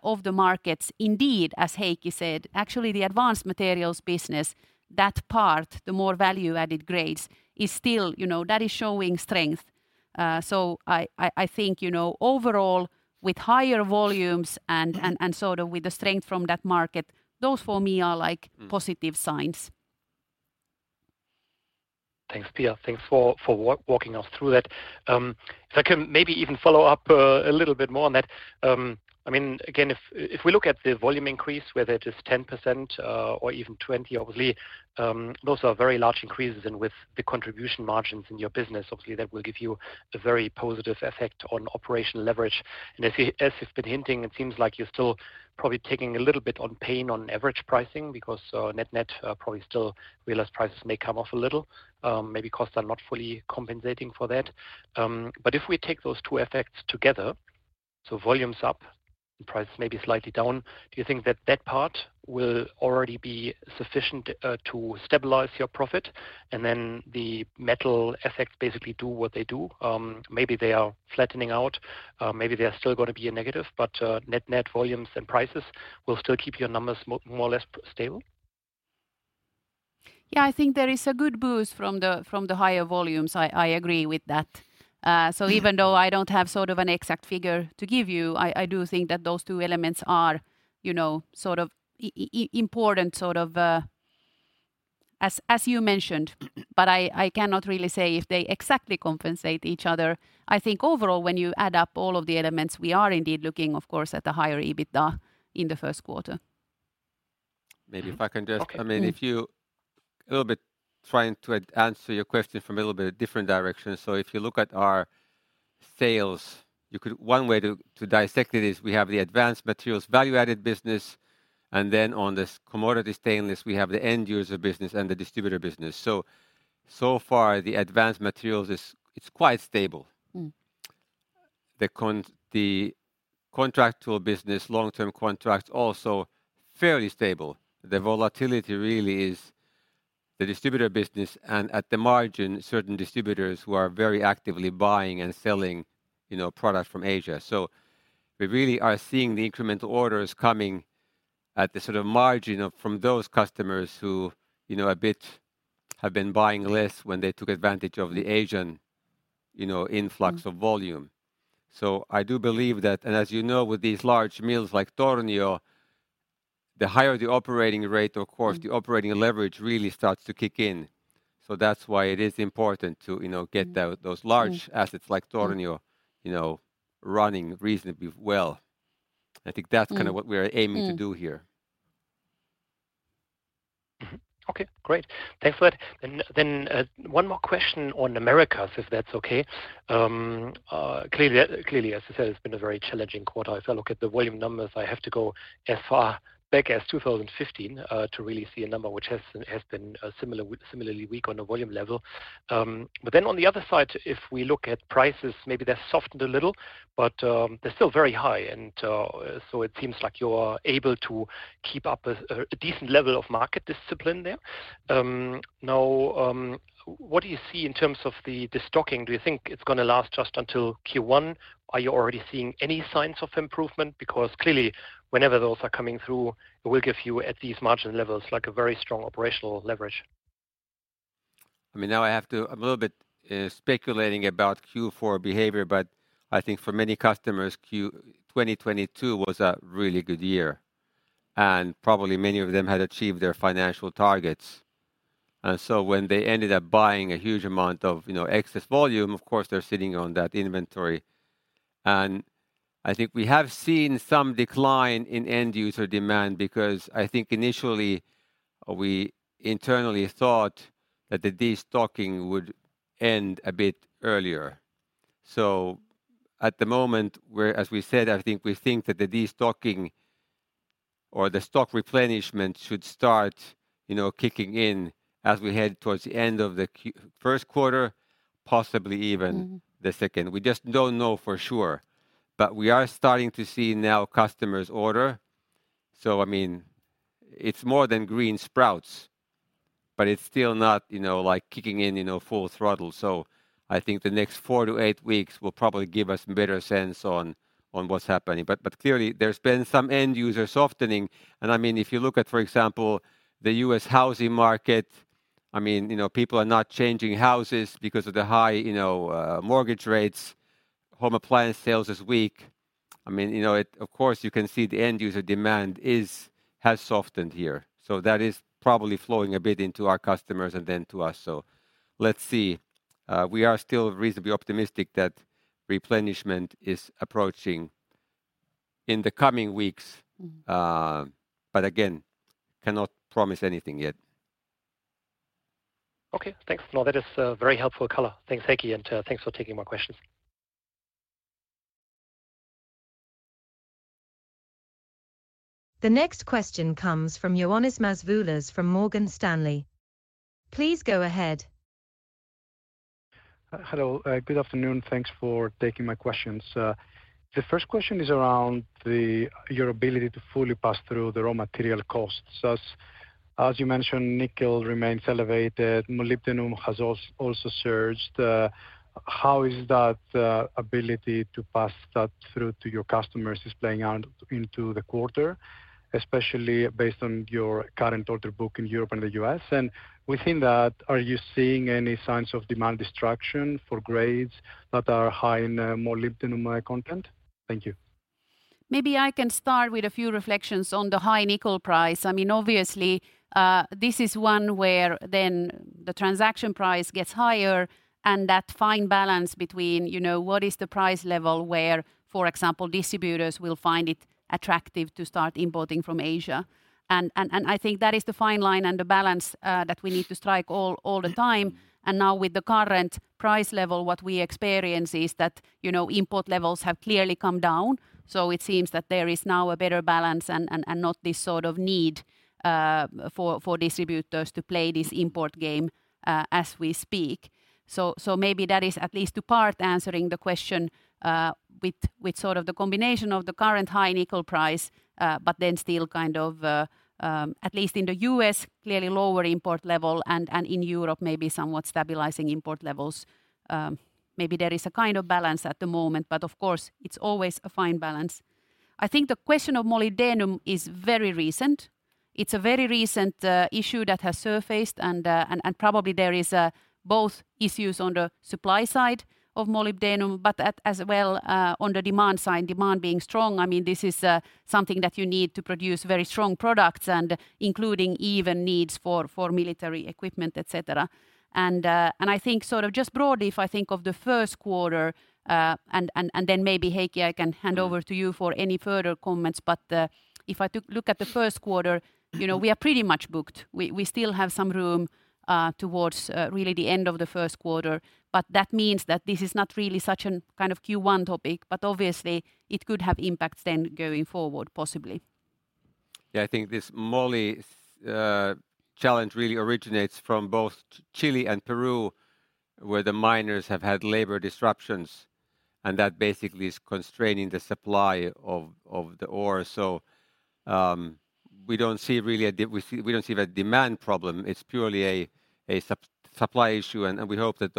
Speaker 3: of the markets, indeed, as Heikki said, actually the advanced materials business, that part, the more value-added grades is still, you know, that is showing strength. I think, you know, overall with higher volumes and so with the strength from that market, those for me are like positive signs.
Speaker 6: Thanks, Pia. Thanks for walking us through that. If I can maybe even follow up a little bit more on that. I mean, again, if we look at the volume increase, whether it is 10% or even 20%, obviously, those are very large increases. With the contribution margins in your business, obviously that will give you a very positive effect on operational leverage. As you've been hinting, it seems like you're still probably taking a little bit on pain on average pricing because, net-net, probably still realized prices may come off a little. Maybe costs are not fully compensating for that. If we take those two effects together, so volume's up and price may be slightly down, do you think that that part will already be sufficient to stabilize your profit and then the metal effects basically do what they do? Maybe they are flattening out, maybe they are still gonna be a negative, but net-net volumes and prices will still keep your numbers more or less stable?
Speaker 3: Yeah, I think there is a good boost from the, from the higher volumes. I agree with that. Even though I don't have sort of an exact figure to give you, I do think that those two elements are, you know, sort of important, sort of, as you mentioned. I cannot really say if they exactly compensate each other. I think overall, when you add up all of the elements, we are indeed looking of course at a higher EBITDA in the first quarter.
Speaker 2: Maybe if I can.
Speaker 6: Okay, mm-hmm.
Speaker 2: I mean, if you A little bit trying to answer your question from a little bit different direction. If you look at our sales, One way to dissect it is we have the advanced materials value-added business, and then on this commodity stainless we have the end user business and the distributor business. So far the advanced materials is, it's quite stable.
Speaker 3: Mm-hmm.
Speaker 2: The contractual business, long-term contracts also fairly stable. The volatility really is the distributor business and at the margin, certain distributors who are very actively buying and selling, you know, product from Asia. We really are seeing the incremental orders coming at the sort of margin from those customers who, you know, a bit have been buying less when they took advantage of the Asian, you know, influx of volume. I do believe that. As you know, with these large mills like Tornio, the higher the operating rate, of course, the operating leverage really starts to kick in. That's why it is important to, you know, get those large assets like Tornio, you know, running reasonably well. I think that's kind of what we are aiming to do here.
Speaker 6: Okay, great. Thanks for that. One more question on Americas, if that's okay. Clearly as I said, it's been a very challenging quarter. If I look at the volume numbers, I have to go as far back as 2015 to really see a number which has been similarly weak on a volume level. On the other side, if we look at prices, maybe they're softened a little, but they're still very high and it seems like you're able to keep up a decent level of market discipline there. Now, what do you see in terms of the stocking? Do you think it's gonna last just until Q1? Are you already seeing any signs of improvement? Clearly, whenever those are coming through, it will give you at these margin levels, like a very strong operational leverage.
Speaker 2: I mean, now I have to... I'm a little bit speculating about Q4 behavior, but I think for many customers, 2022 was a really good year, and probably many of them had achieved their financial targets. When they ended up buying a huge amount of, you know, excess volume, of course they're sitting on that inventory. I think we have seen some decline in end user demand because I think initially we internally thought that the destocking would end a bit earlier. At the moment we're, as we said, I think we think that the destocking or the stock replenishment should start, you know, kicking in as we head towards the end of the first quarter, possibly even the second. We just don't know for sure. We are starting to see now customers order. I mean, it's more than green sprouts. It's still not, you know, like kicking in, you know, full throttle. I think the next four to eight weeks will probably give us better sense on what's happening. Clearly there's been some end user softening. I mean, if you look at, for example, the US housing market, I mean, you know, people are not changing houses because of the high, you know, mortgage rates. Home appliance sales is weak. I mean, you know, of course you can see the end user demand has softened here. That is probably flowing a bit into our customers and then to us. Let's see. We are still reasonably optimistic that replenishment is approaching in the coming weeks.
Speaker 3: Mm.
Speaker 2: Again, cannot promise anything yet.
Speaker 6: Okay, thanks. No that is, very helpful color. Thanks Heikki, and, thanks for taking my questions.
Speaker 4: The next question comes from Ioannis Masvoulas from Morgan Stanley. Please go ahead.
Speaker 7: Hello. Good afternoon. Thanks for taking my questions. The first question is around your ability to fully pass through the raw material costs. As you mentioned, nickel remains elevated, molybdenum has also surged. How is that ability to pass that through to your customers is playing out into the quarter, especially based on your current order book in Europe and the U.S.? Within that, are you seeing any signs of demand destruction for grades that are high in molybdenum content? Thank you.
Speaker 3: Maybe I can start with a few reflections on the high nickel price. I mean, obviously, this is one where then the transaction price gets higher and that fine balance between, you know, what is the price level where, for example, distributors will find it attractive to start importing from Asia. I think that is the fine line and the balance that we need to strike all the time. Now with the current price level, what we experience is that, you know, import levels have clearly come down. It seems that there is now a better balance and not this sort of need for distributors to play this import game as we speak. Maybe that is at least to part answering the question, with sort of the combination of the current high nickel price, still kind of, at least in the U.S., clearly lower import level and in Europe, maybe somewhat stabilizing import levels. Maybe there is a kind of balance at the moment, of course it's always a fine balance. I think the question of molybdenum is very recent. It's a very recent issue that has surfaced and probably there is both issues on the supply side of molybdenum, at as well, on the demand side, demand being strong. I mean, this is something that you need to produce very strong products and including even needs for military equipment, etc. I think sort of just broadly, if I think of the first quarter, then maybe Heikki I can hand over to you for any further comments. If I to look at the first quarter, you know, we are pretty much booked. We still have some room towards really the end of the first quarter, but that means that this is not really such an kind of Q1 topic, but obviously it could have impacts then going forward, possibly.
Speaker 2: I think this moly challenge really originates from both Chile and Peru, where the miners have had labor disruptions, and that basically is constraining the supply of the ore. We don't see really the demand problem. It's purely a supply issue. We hope that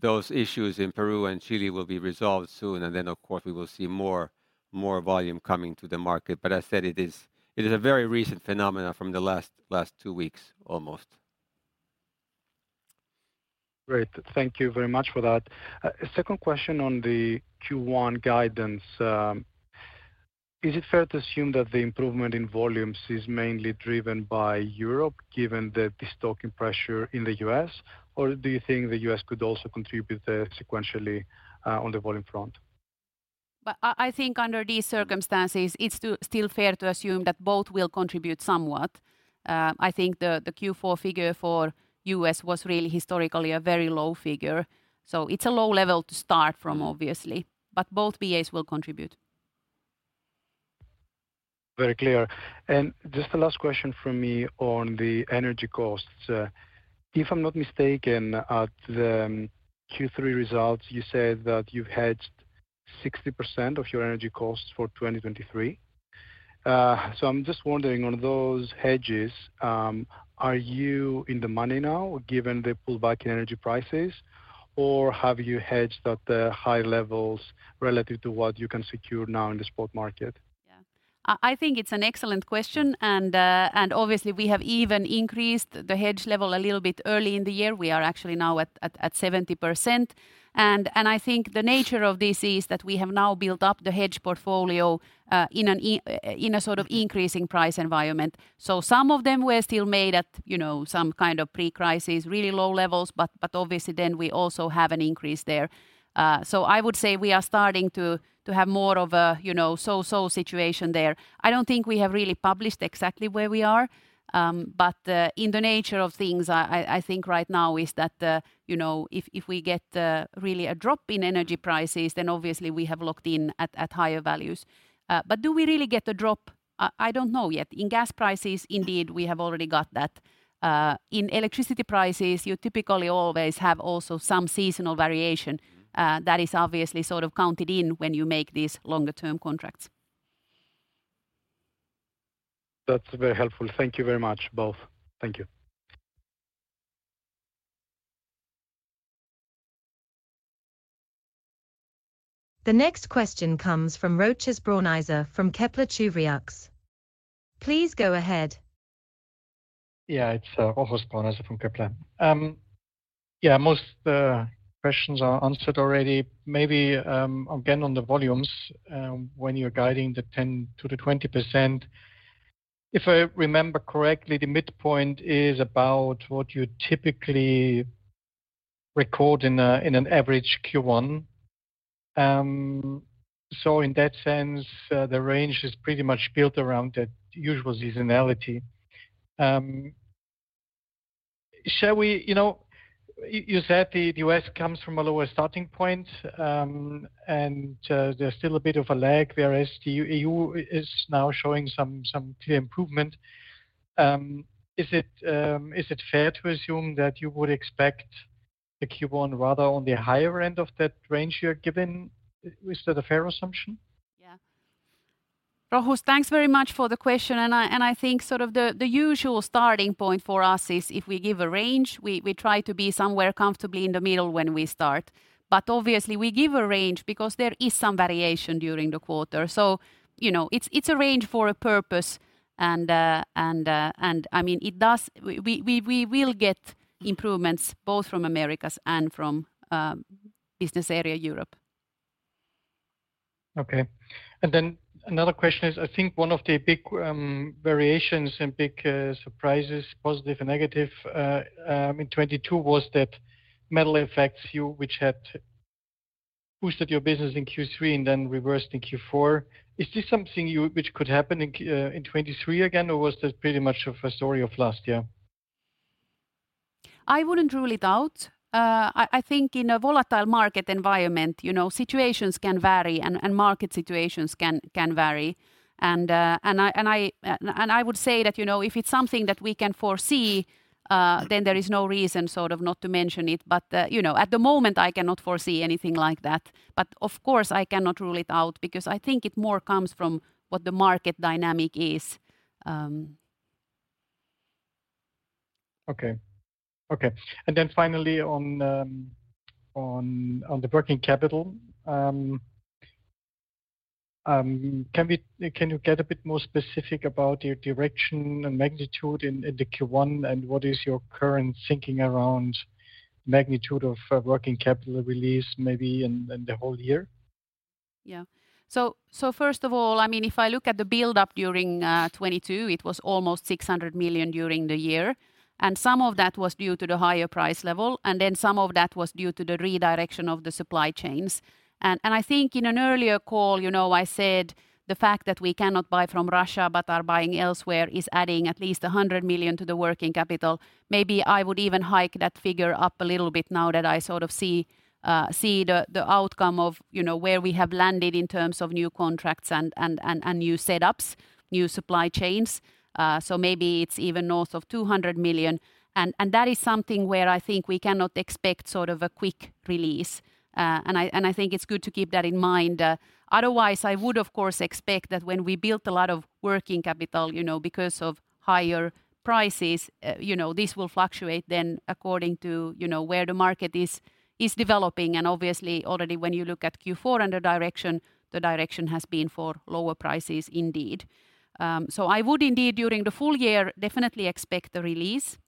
Speaker 2: those issues in Peru and Chile will be resolved soon. Of course, we will see more volume coming to the market. As said, it is a very recent phenomena from the last two weeks almost.
Speaker 7: Great. Thank you very much for that. Second question on the Q1 guidance. Is it fair to assume that the improvement in volumes is mainly driven by Europe, given the destocking pressure in the U.S.? Do you think the U.S. could also contribute, sequentially, on the volume front?
Speaker 3: I think under these circumstances, it's still fair to assume that both will contribute somewhat. I think the Q4 figure for U.S. was really historically a very low figure. It's a low level to start from, obviously. Both BAs will contribute.
Speaker 7: Very clear. Just the last question from me on the energy costs. If I'm not mistaken, at the Q3 results, you said that you've hedged 60% of your energy costs for 2023. I'm just wondering on those hedges, are you in the money now given the pullback in energy prices? Or have you hedged at the high levels relative to what you can secure now in the spot market?
Speaker 3: Yeah. I think it's an excellent question, obviously we have even increased the hedge level a little bit early in the year. We are actually now at 70%. I think the nature of this is that we have now built up the hedge portfolio, in a sort of increasing price environment. Some of them were still made at, you know, some kind of pre-crisis, really low levels, but obviously then we also have an increase there. I would say we are starting to have more of a, you know, so-so situation there. I don't think we have really published exactly where we are. In the nature of things, I think right now is that, you know, if we get, really a drop in energy prices, then obviously we have locked in at higher values. Do we really get a drop? I don't know yet. In gas prices, indeed, we have already got that. In electricity prices, you typically always have also some seasonal variation.
Speaker 2: Mm-hmm.
Speaker 3: That is obviously sort of counted in when you make these longer term contracts.
Speaker 7: That's very helpful. Thank you very much, both. Thank you.
Speaker 4: The next question comes from Rochus Brauneiser from Kepler Cheuvreux. Please go ahead.
Speaker 8: Yeah. It's Rochus Brauneiser from Kepler. Most questions are answered already. Maybe again, on the volumes, when you're guiding the 10%-20%, if I remember correctly, the midpoint is about what you typically record in an average Q1. In that sense, the range is pretty much built around the usual seasonality. You know, you said the U.S. comes from a lower starting point, and there's still a bit of a lag, whereas the EU is now showing some clear improvement. Is it fair to assume that you would expect the Q1 rather on the higher end of that range you're given? Is that a fair assumption?
Speaker 3: Yeah. Rochus, thanks very much for the question. I think sort of the usual starting point for us is if we give a range, we try to be somewhere comfortably in the middle when we start. Obviously we give a range because there is some variation during the quarter. You know, it's a range for a purpose and I mean, we will get improvements both from Americas and from Business Area Europe.
Speaker 8: Okay. Another question is, I think one of the big, variations and big, surprises, positive and negative, in 2022 was that metal effects, which had boosted your business in Q3 and then reversed in Q4. Is this something which could happen in 2023 again, or was that pretty much of a story of last year?
Speaker 3: I wouldn't rule it out. I think in a volatile market environment, you know, situations can vary and market situations can vary. I would say that, you know, if it's something that we can foresee, then there is no reason sort of not to mention it. You know, at the moment, I cannot foresee anything like that. Of course, I cannot rule it out because I think it more comes from what the market dynamic is.
Speaker 8: Okay. Okay. Finally on the working capital, can you get a bit more specific about your direction and magnitude in the Q1, and what is your current thinking around magnitude of working capital release maybe in the whole year?
Speaker 3: First of all, I mean, if I look at the buildup during 2022, it was almost 600 million during the year, and some of that was due to the higher price level, and then some of that was due to the redirection of the supply chains. I think in an earlier call, you know, I said the fact that we cannot buy from Russia but are buying elsewhere is adding at least 100 million to the working capital. Maybe I would even hike that figure up a little bit now that I sort of see the outcome of, you know, where we have landed in terms of new contracts and new setups, new supply chains. Maybe it's even north of 200 million. That is something where I think we cannot expect sort of a quick release. I think it's good to keep that in mind. Otherwise I would of course expect that when we built a lot of working capital, you know, because of higher prices, you know, this will fluctuate then according to, you know, where the market is developing. Obviously already when you look at Q4 and the direction, the direction has been for lower prices indeed. I would indeed during the full year definitely expect the release.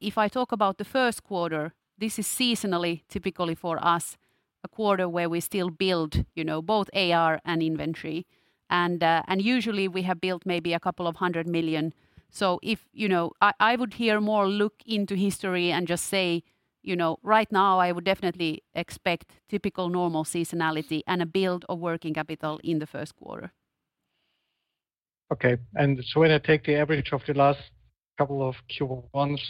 Speaker 3: If I talk about the first quarter, this is seasonally typically for us, a quarter where we still build, you know, both AR and inventory. Usually we have built maybe a couple of 100 million. If, you know... I would here more look into history and just say, you know, right now I would definitely expect typical normal seasonality and a build of working capital in the first quarter.
Speaker 8: Okay. When I take the average of the last couple of Q1s,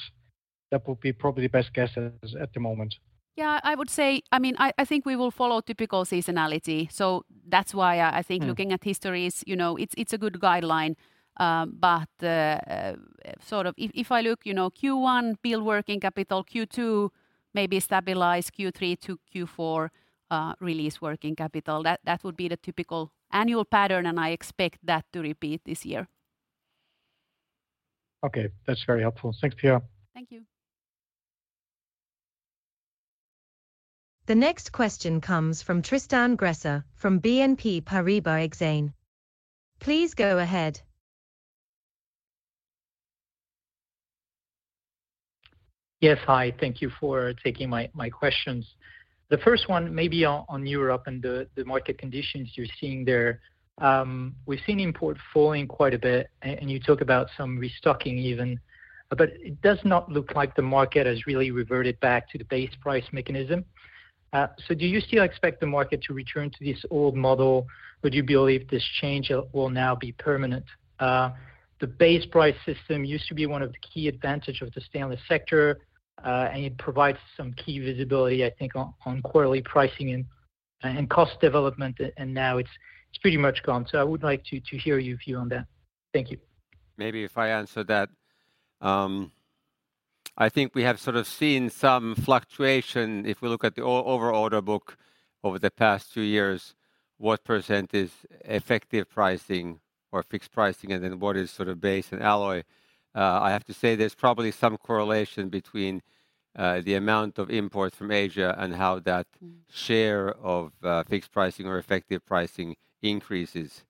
Speaker 8: that would be probably the best guess as at the moment.
Speaker 3: Yeah. I would say. I mean, I think we will follow typical seasonality. That's why I think looking at history is, you know, it's a good guideline. But, sort of if I look, you know, Q1 build working capital, Q2 maybe stabilize, Q3 - Q4, release working capital. That would be the typical annual pattern, and I expect that to repeat this year.
Speaker 8: Okay. That's very helpful. Thanks, Pia.
Speaker 3: Thank you.
Speaker 4: The next question comes from Tristan Gresser from BNP Paribas Exane. Please go ahead.
Speaker 9: Yes. Hi. Thank you for taking my questions. The first one maybe on Europe and the market conditions you're seeing there. We've seen import falling quite a bit, and you talk about some restocking even, but it does not look like the market has really reverted back to the base price mechanism. Do you still expect the market to return to this old model? Would you believe this change will now be permanent? The base price system used to be one of the key advantage of the stainless sector, and it provides some key visibility, I think on quarterly pricing and cost development, and now it's pretty much gone. I would like to hear your view on that. Thank you.
Speaker 2: Maybe if I answer that. I think we have sort of seen some fluctuation if we look at the order book over the past two years, what % is effective pricing or fixed pricing, and then what is sort of base and alloy. I have to say there's probably some correlation between the amount of imports from Asia and how that share of fixed pricing or effective pricing increases.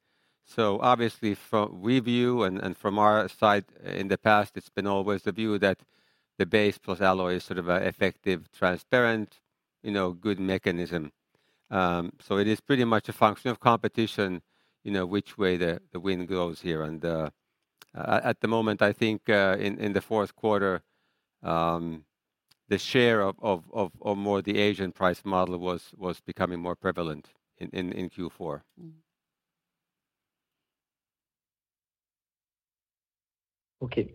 Speaker 2: Obviously from we view and from our side in the past, it's been always the view that the base plus alloy is sort of a effective, transparent, you know, good mechanism. It is pretty much a function of competition, you know, which way the wind goes here. At the moment, I think, in the fourth quarter, the share of, or more the Asian price model was becoming more prevalent in Q4.
Speaker 3: Mm-hmm.
Speaker 9: Okay.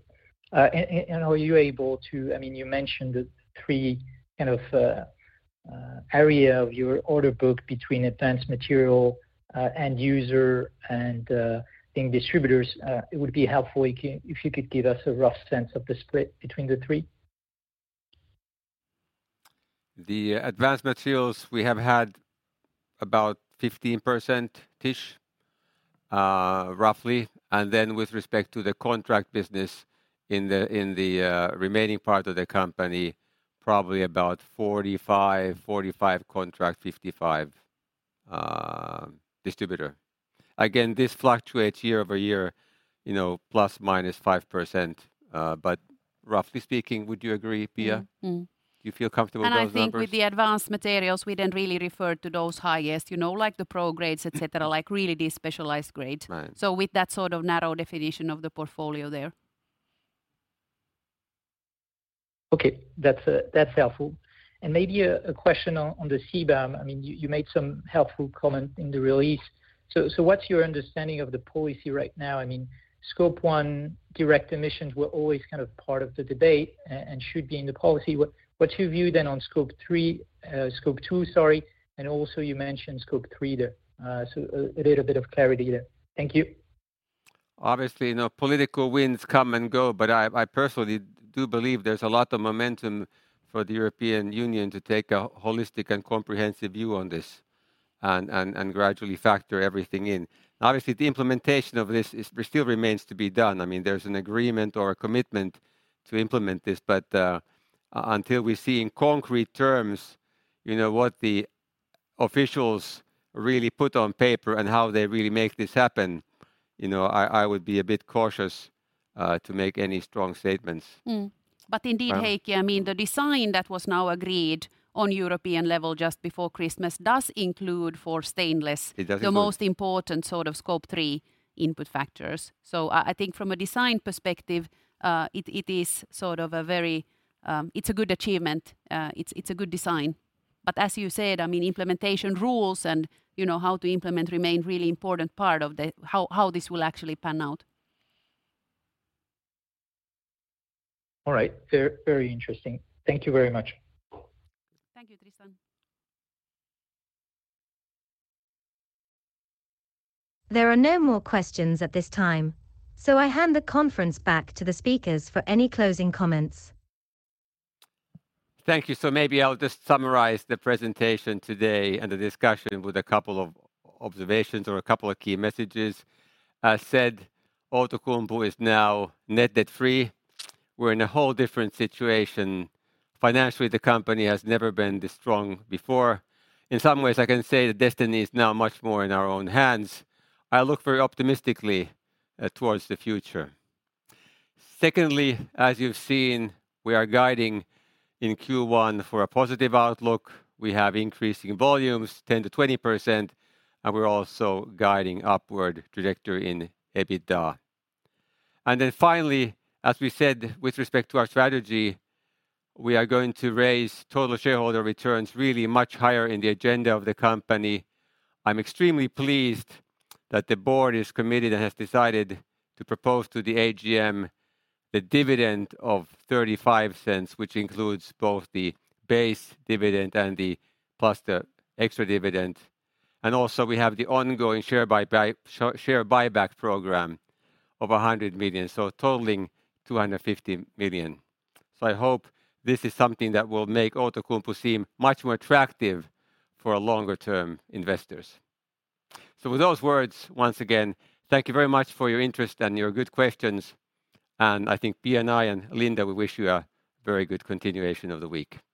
Speaker 9: I mean, you mentioned the three kind of area of your order book between advanced materials, end user, and I think distributors. It would be helpful if you could give us a rough sense of the split between the three.
Speaker 2: The advanced materials, we have had about 15%-ish, roughly. With respect to the contract business in the remaining part of the company, probably about 45 contract, 55 distributor. Again, this fluctuates year-over-year, you know, ±5%. Roughly speaking, would you agree, Pia?
Speaker 3: Mm-hmm.
Speaker 2: Do you feel comfortable with those numbers?
Speaker 3: I think with the advanced materials, we don't really refer to those highest, you know, like the pro grades et cetera, like really these specialized grades.
Speaker 2: Right.
Speaker 3: With that sort of narrow definition of the portfolio there.
Speaker 9: Okay. That's, that's helpful. Maybe a question on the CBAM. I mean, you made some helpful comment in the release. What's your understanding of the policy right now? I mean, Scope 1 direct emissions were always kind of part of the debate and should be in the policy. What, what's your view then on Scope 3, Scope 2, sorry, and also you mentioned Scope 3 there. A little bit of clarity there. Thank you.
Speaker 2: Obviously, you know, political winds come and go, but I personally do believe there's a lot of momentum for the European Union to take a holistic and comprehensive view on this and gradually factor everything in. Obviously, the implementation of this still remains to be done. I mean, there's an agreement or a commitment to implement this, but until we see in concrete terms, you know, what the officials really put on paper and how they really make this happen, you know, I would be a bit cautious to make any strong statements.
Speaker 3: Mm-hmm.
Speaker 2: Um-
Speaker 3: Indeed, Heikki, I mean, the design that was now agreed on European level just before Christmas does include for stainless-
Speaker 2: It does include....
Speaker 3: the most important sort of Scope 3 input factors. I think from a design perspective, it is sort of a very... It's a good achievement. It's a good design. As you said, I mean, implementation rules and, you know, how to implement remain really important part of the how this will actually pan out.
Speaker 9: All right. Very, very interesting. Thank Thank you very much.
Speaker 3: Thank you, Tristan.
Speaker 4: There are no more questions at this time, so I hand the conference back to the speakers for any closing comments.
Speaker 2: Thank you. Maybe I'll just summarize the presentation today and the discussion with a couple of observations or a couple of key messages. As said, Outokumpu is now net debt-free. We're in a whole different situation. Financially, the company has never been this strong before. In some ways, I can say that destiny is now much more in our own hands. I look very optimistically towards the future. Secondly, as you've seen, we are guiding in Q1 for a positive outlook. We have increasing volumes 10%-20%, and we're also guiding upward trajectory in EBITDA. Finally, as we said with respect to our strategy, we are going to raise total shareholder returns really much higher in the agenda of the company. I'm extremely pleased that the board is committed and has decided to propose to the AGM the dividend of 0.35, which includes both the base dividend and plus the extra dividend. We have the ongoing share buyback program of 100 million, totaling 250 million. I hope this is something that will make Outokumpu seem much more attractive for longer-term investors. With those words, once again, thank you very much for your interest and your good questions. I think Pia and I and Linda, we wish you a very good continuation of the week. Thank you.